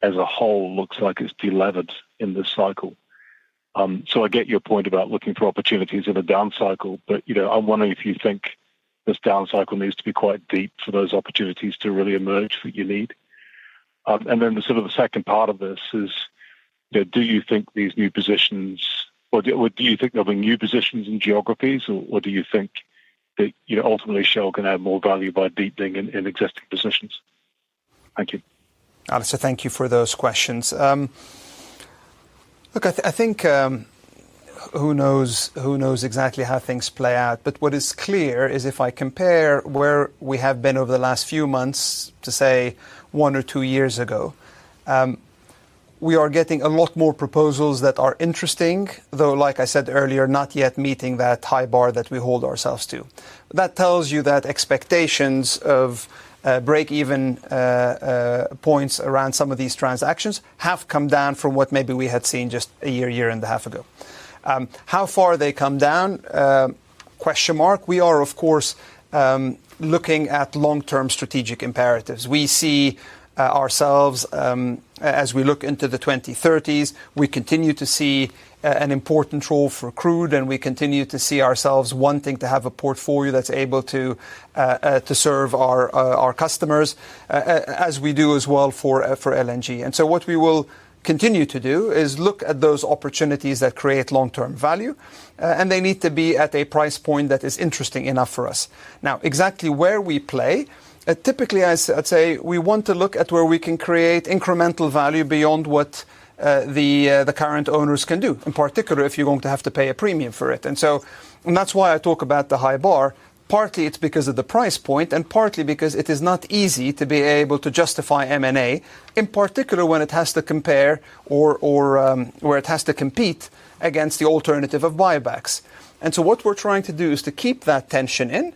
as a whole looks like it's delevered in this cycle. I get your point about looking for opportunities in a down cycle, but I'm wondering if you think this down cycle needs to be quite deep for those opportunities to really emerge that you need. The second part of this is do you think these new positions, do you think there'll be new positions in geographies, or do you think that ultimately Shell can add more value by deepening in existing positions? Thank you, Alice. Thank you for those questions. Look, I think who knows, who knows exactly how things play out. What is clear is if I compare where we have been over the last few months to, say, one or two years ago, we are getting a lot more proposals that are interesting, though, like I said earlier, not yet meeting that high bar that we hold ourselves to. That tells you that expectations of break-even points around some of these transactions have come down from what maybe we had seen just a year, year and a half ago. How far they come down? We are, of course, looking at long-term strategic imperatives. We see ourselves, as we look into the 2030s, we continue to see an important role for crude, and we continue to see ourselves wanting to have a portfolio that's able to serve our customers as we do as well for LNG. What we will continue to do is look at those opportunities that create long-term value, and they need to be at a price point that is interesting enough for us. Now, exactly where we play, typically, I'd say we want to look at where we can create incremental value beyond what the current owners can do, in particular if you're going to have to pay a premium for it. That's why I talk about the high bar. Partly it's because of the price point, and partly because it is not easy to be able to justify M&A, in particular when it has to compare or where it has to compete against the alternative of buybacks. What we're trying to do is to keep that tension in,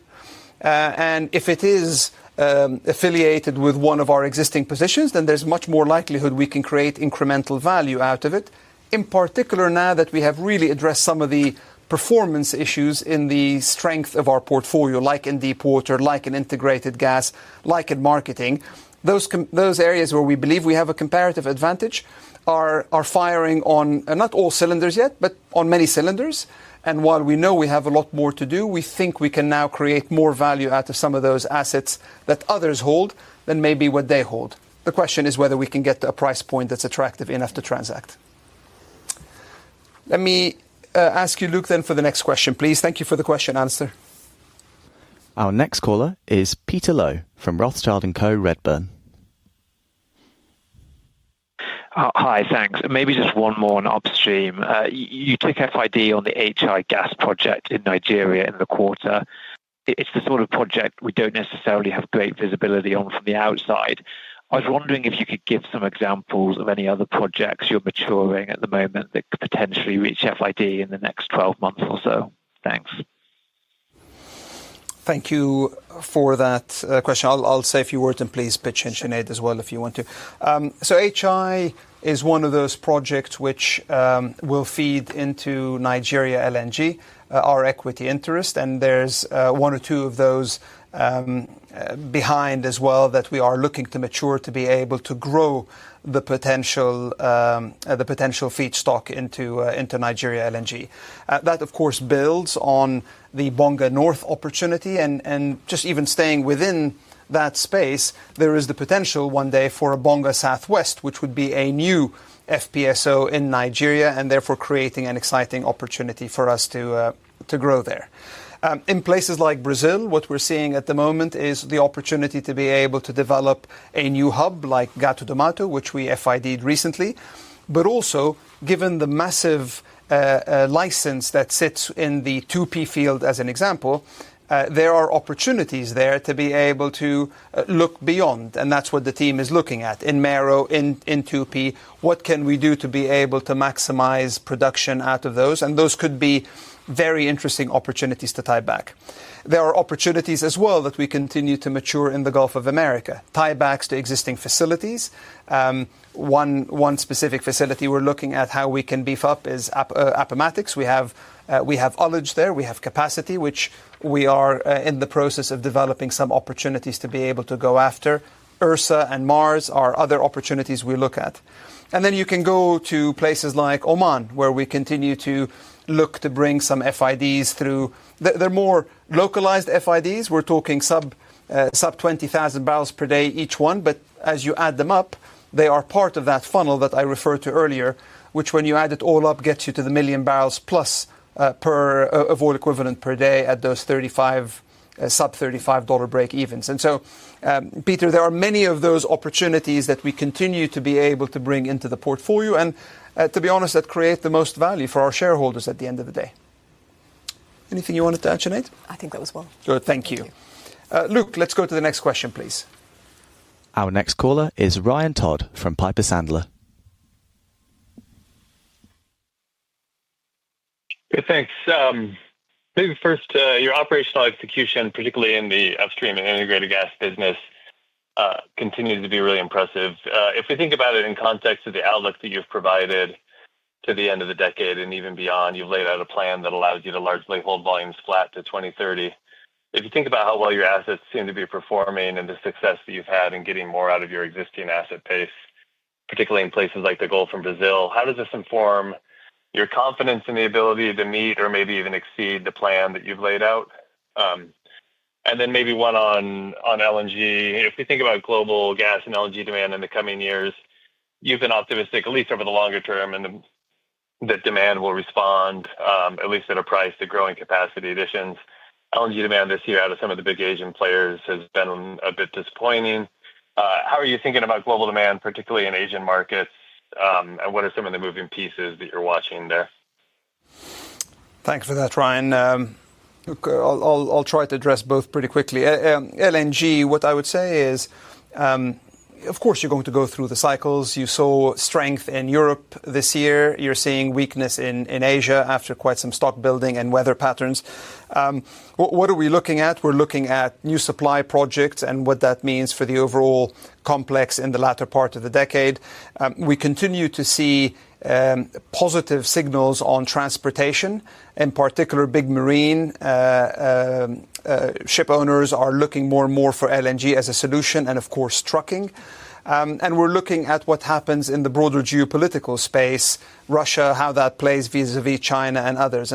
and if it is affiliated with one of our existing positions, then there's much more likelihood we can create incremental value out of it. In particular, now that we have really addressed some of the performance issues in the strength of our portfolio, like in deep water, like in integrated gas, like in marketing. Those areas where we believe we have a comparative advantage are firing on not all cylinders yet, but on many cylinders. While we know we have a lot more to do, we think we can now create more value out of some of those assets that others hold than maybe what they hold. The question is whether we can get to a price point that's attractive enough to transact. Let me ask you, Luke, then for the next question, please. Thank you for the question and answer. Our next caller is Peter Low from Rothschild & Co, Redburn. Hi, thanks. Maybe just one more on upstream. You took FID on the HI Gas project in Nigeria in the quarter. It's the sort of project we don't necessarily have great visibility on from the outside. I was wondering if you could give some examples of any other projects you're maturing at the moment that could potentially reach FID in the next 12 months or so. Thanks. Thank you for that question. I'll say a few words, and please pitch in, Sinead, as well if you want to. HI Gas is one of those projects which will feed into Nigeria LNG, our equity interest, and there's one or two of those behind as well that we are looking to mature to be able to grow the potential feedstock into Nigeria LNG. That, of course, builds on the Bonga North opportunity, and just even staying within that space, there is the potential one day for a Bonga South West, which would be a new FPSO in Nigeria and therefore creating an exciting opportunity for us to grow there. In places like Brazil, what we're seeing at the moment is the opportunity to be able to develop a new hub like Gato do Mato, which we FID'd recently. Also, given the massive license that sits in the 2P field as an example, there are opportunities there to be able to look beyond, and that's what the team is looking at in Mero and Tupi. What can we do to be able to maximize production out of those? Those could be very interesting opportunities to tie back. There are opportunities as well that we continue to mature in the Gulf of Mexico, tiebacks to existing facilities. One specific facility we're looking at, how we can beef up, is Appomattox. We have knowledge there, but we have capacity which we are in the process of developing. Some opportunities to be able to go after, Ursa and Mars are other opportunities we look at. You can go to places like Oman, where we continue to look to bring some FIDs through. They're more localized FIDs. We're talking sub $20,000 barrels per day each one, but as you add them up, they are part of that funnel that I referred to earlier, which, when you add it all up, gets you to the million barrels plus per oil equivalent per day at those sub $35 breakevens. Peter, there are many of those opportunities that we continue to be able to bring into the portfolio and, to be honest, that create the most value for our shareholders at the end of the day. Anything you wanted to— I think that was. Thank you, Luke. Let's go to the next question, please. Our next caller is Ryan Todd from Piper Sandler. Thanks. Maybe first, your operational execution, particularly in the upstream and integrated gas business, continues to be really impressive. If we think about it in context of the outlook that you've provided to the end of the decade and even beyond, you've laid out a plan that allows you to largely hold volumes flat to 2030. If you think about how well your assets seem to be performing and the success that you've had in getting more out of your existing asset base, particularly in places like the Gulf of Mexico and Brazil, how does this inform your confidence in the ability to meet or maybe even exceed the plan that you've laid out? Maybe one on LNG, if you think about global gas and LNG demand in the coming years, you've been optimistic at least over the longer term, and that demand will respond, at least at a price, to growing capacity additions. LNG demand this year out of some of the big Asian players has been a bit disappointing. How are you thinking about global demand, particularly in Asian markets, and what are some of the moving pieces that you're watching there? Thanks for that, Ryan. I'll try to address both pretty quickly. LNG, what I would say is, of course you're going to go through the cycles. You saw strength in Europe this year, you're seeing weakness in Asia after quite some stock building and weather patterns. What are we looking at? We're looking at new supply projects and what that means for the overall complex. In the latter part of the decade, we continue to see positive signals on transportation in particular. Big marine ship owners are looking more and more for LNG as a solution and, of course, trucking. We're looking at what happens in the broader geopolitical space, Russia, how that plays vis-à-vis China and others.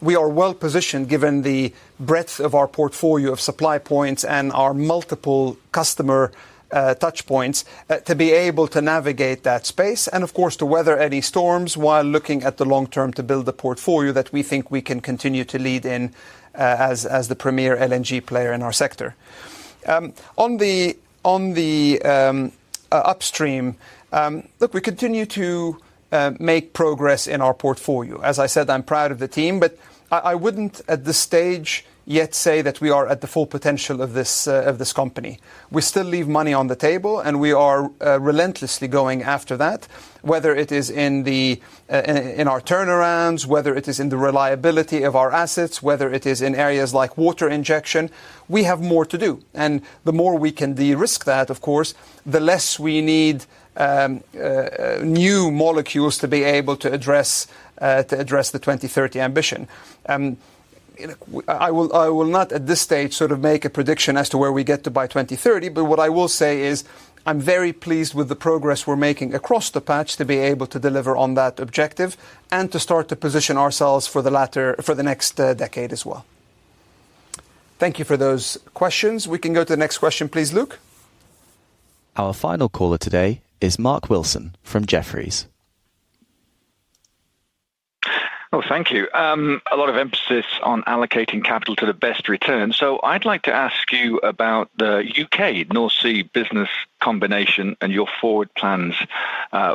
We are well positioned, given the breadth of our portfolio of supply points and our multiple customer touch points, to be able to navigate that space and to weather any storms while looking at the long term to build the portfolio that we think we can continue to lead in as the premier LNG player in our sector. On the upstream look, we continue to make progress in our portfolio. As I said, I'm proud of the team, but I wouldn't at this stage yet say that we are at the full potential of this company. We still leave money on the table and we are relentlessly going after that, whether it is in our turnarounds, whether it is in the reliability of our assets, whether it is in areas like water injection. We have more to do and the more we can de-risk that, the less we need new molecules to be able to address the 2030 ambition. I will not at this stage sort of make a prediction as to where we get to by 2030, but what I will say is I'm very pleased with the progress we're making across the patch to be able to deliver on that objective and to start to position ourselves for the next decade as well. Thank you for those questions. We can go to the next question, please, Luke. Our final caller today is Mark Wilson from Jefferies. Thank you. A lot of emphasis on allocating capital to the best return. I'd like to ask you about the UK North Sea business combination and your forward plans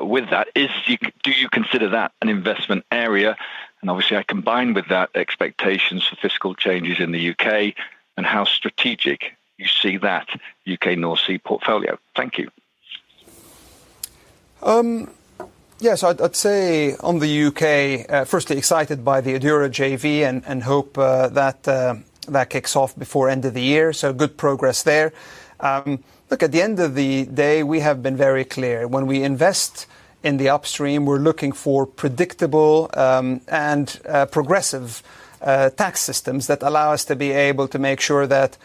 with that. Do you consider that an investment area, and obviously I combine with that expectations for fiscal changes in the UK and how strategic you see that UK North Sea portfolio. Thank you. Yes, I'd say on the UK, firstly, excited by the Enduro JV and hope that that kicks off before end of the year. Good progress there. At the end of the day, we have been very clear when we invest in the upstream, we're looking for predictable and progressive tax systems that allow us to be able to make sure that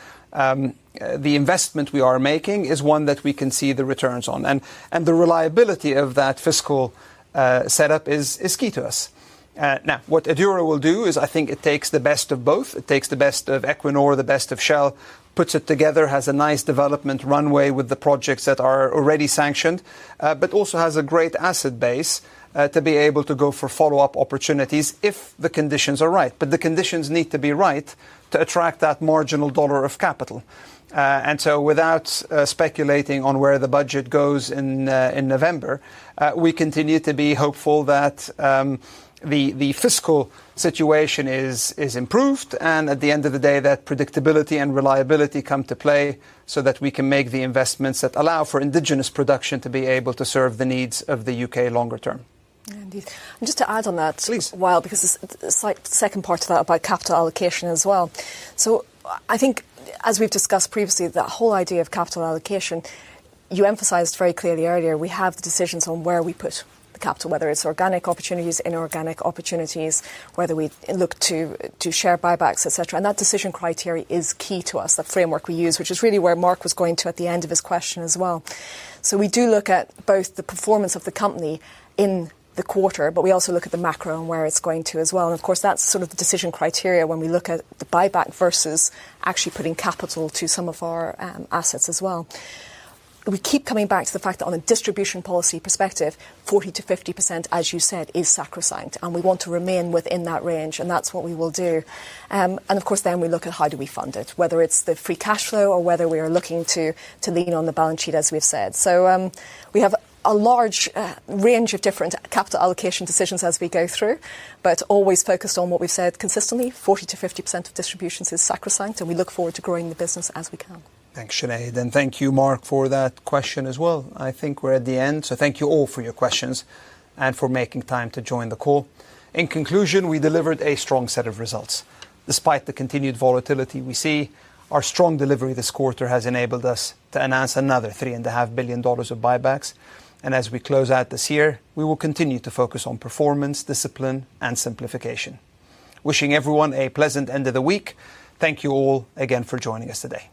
the investment we are making is one that we can see the returns on, and the reliability of that fiscal setup is key to us. Now, what Enduro will do is, I think, it takes the best of both, it takes the best of Equinor, the best of Shell, puts it together, has a nice development runway with the projects that are already sanctioned, but also has a great asset base to be able to go for follow-up opportunities if the conditions are right. The conditions need to be right to attract that marginal dollar of capital. Without speculating on where the budget goes in November, we continue to be hopeful that the fiscal situation is improved, and at the end of the day, that predictability and reliability come to play so that we can make the investments that allow for indigenous production to be able to serve the needs of the UK longer term. Just to add on that while because the second part of that about capital allocation as well. I think as we've discussed previously, the whole idea of capital allocation you emphasized very clearly earlier, we have the decisions on where we put the capital, whether it's organic opportunity, inorganic opportunities, whether we look to do share buybacks, etc. That decision criteria is key to us, the framework we use, which is really where Mark was going to at the end of his question as well. We do look at both the performance of the company in the quarter, but we also look at the macro and where it's going to as well. Of course that's sort of the decision criteria. When we look at the buyback versus actually putting capital to some of our assets as well. We keep coming back to the fact that on a distribution policy perspective, 40-50% as you said, is sacrosanct and we want to remain within that range and that's what we will do. Of course then we look at how do we fund it, whether it's the free cash flow or whether we are looking to lean on the balance sheet as we've said. We have a large range of different capital allocation decisions as we go through, but always focused on what we've said. Consistently, 40-50% of distributions is sacrosanct and we look forward to growing the business as we can. Thanks, Sinead, and thank you Mark for that question as well. I think we're at the end, so thank you all for your questions and for making time to join the call. In conclusion, we delivered a strong set of results despite the continued volatility we see. Our strong delivery this quarter has enabled us to announce another $3.5 billion of buybacks, and as we close out this year, we will continue to focus on performance, discipline, and simplification. Wishing everyone a pleasant end of the week. Thank you all again for joining us today.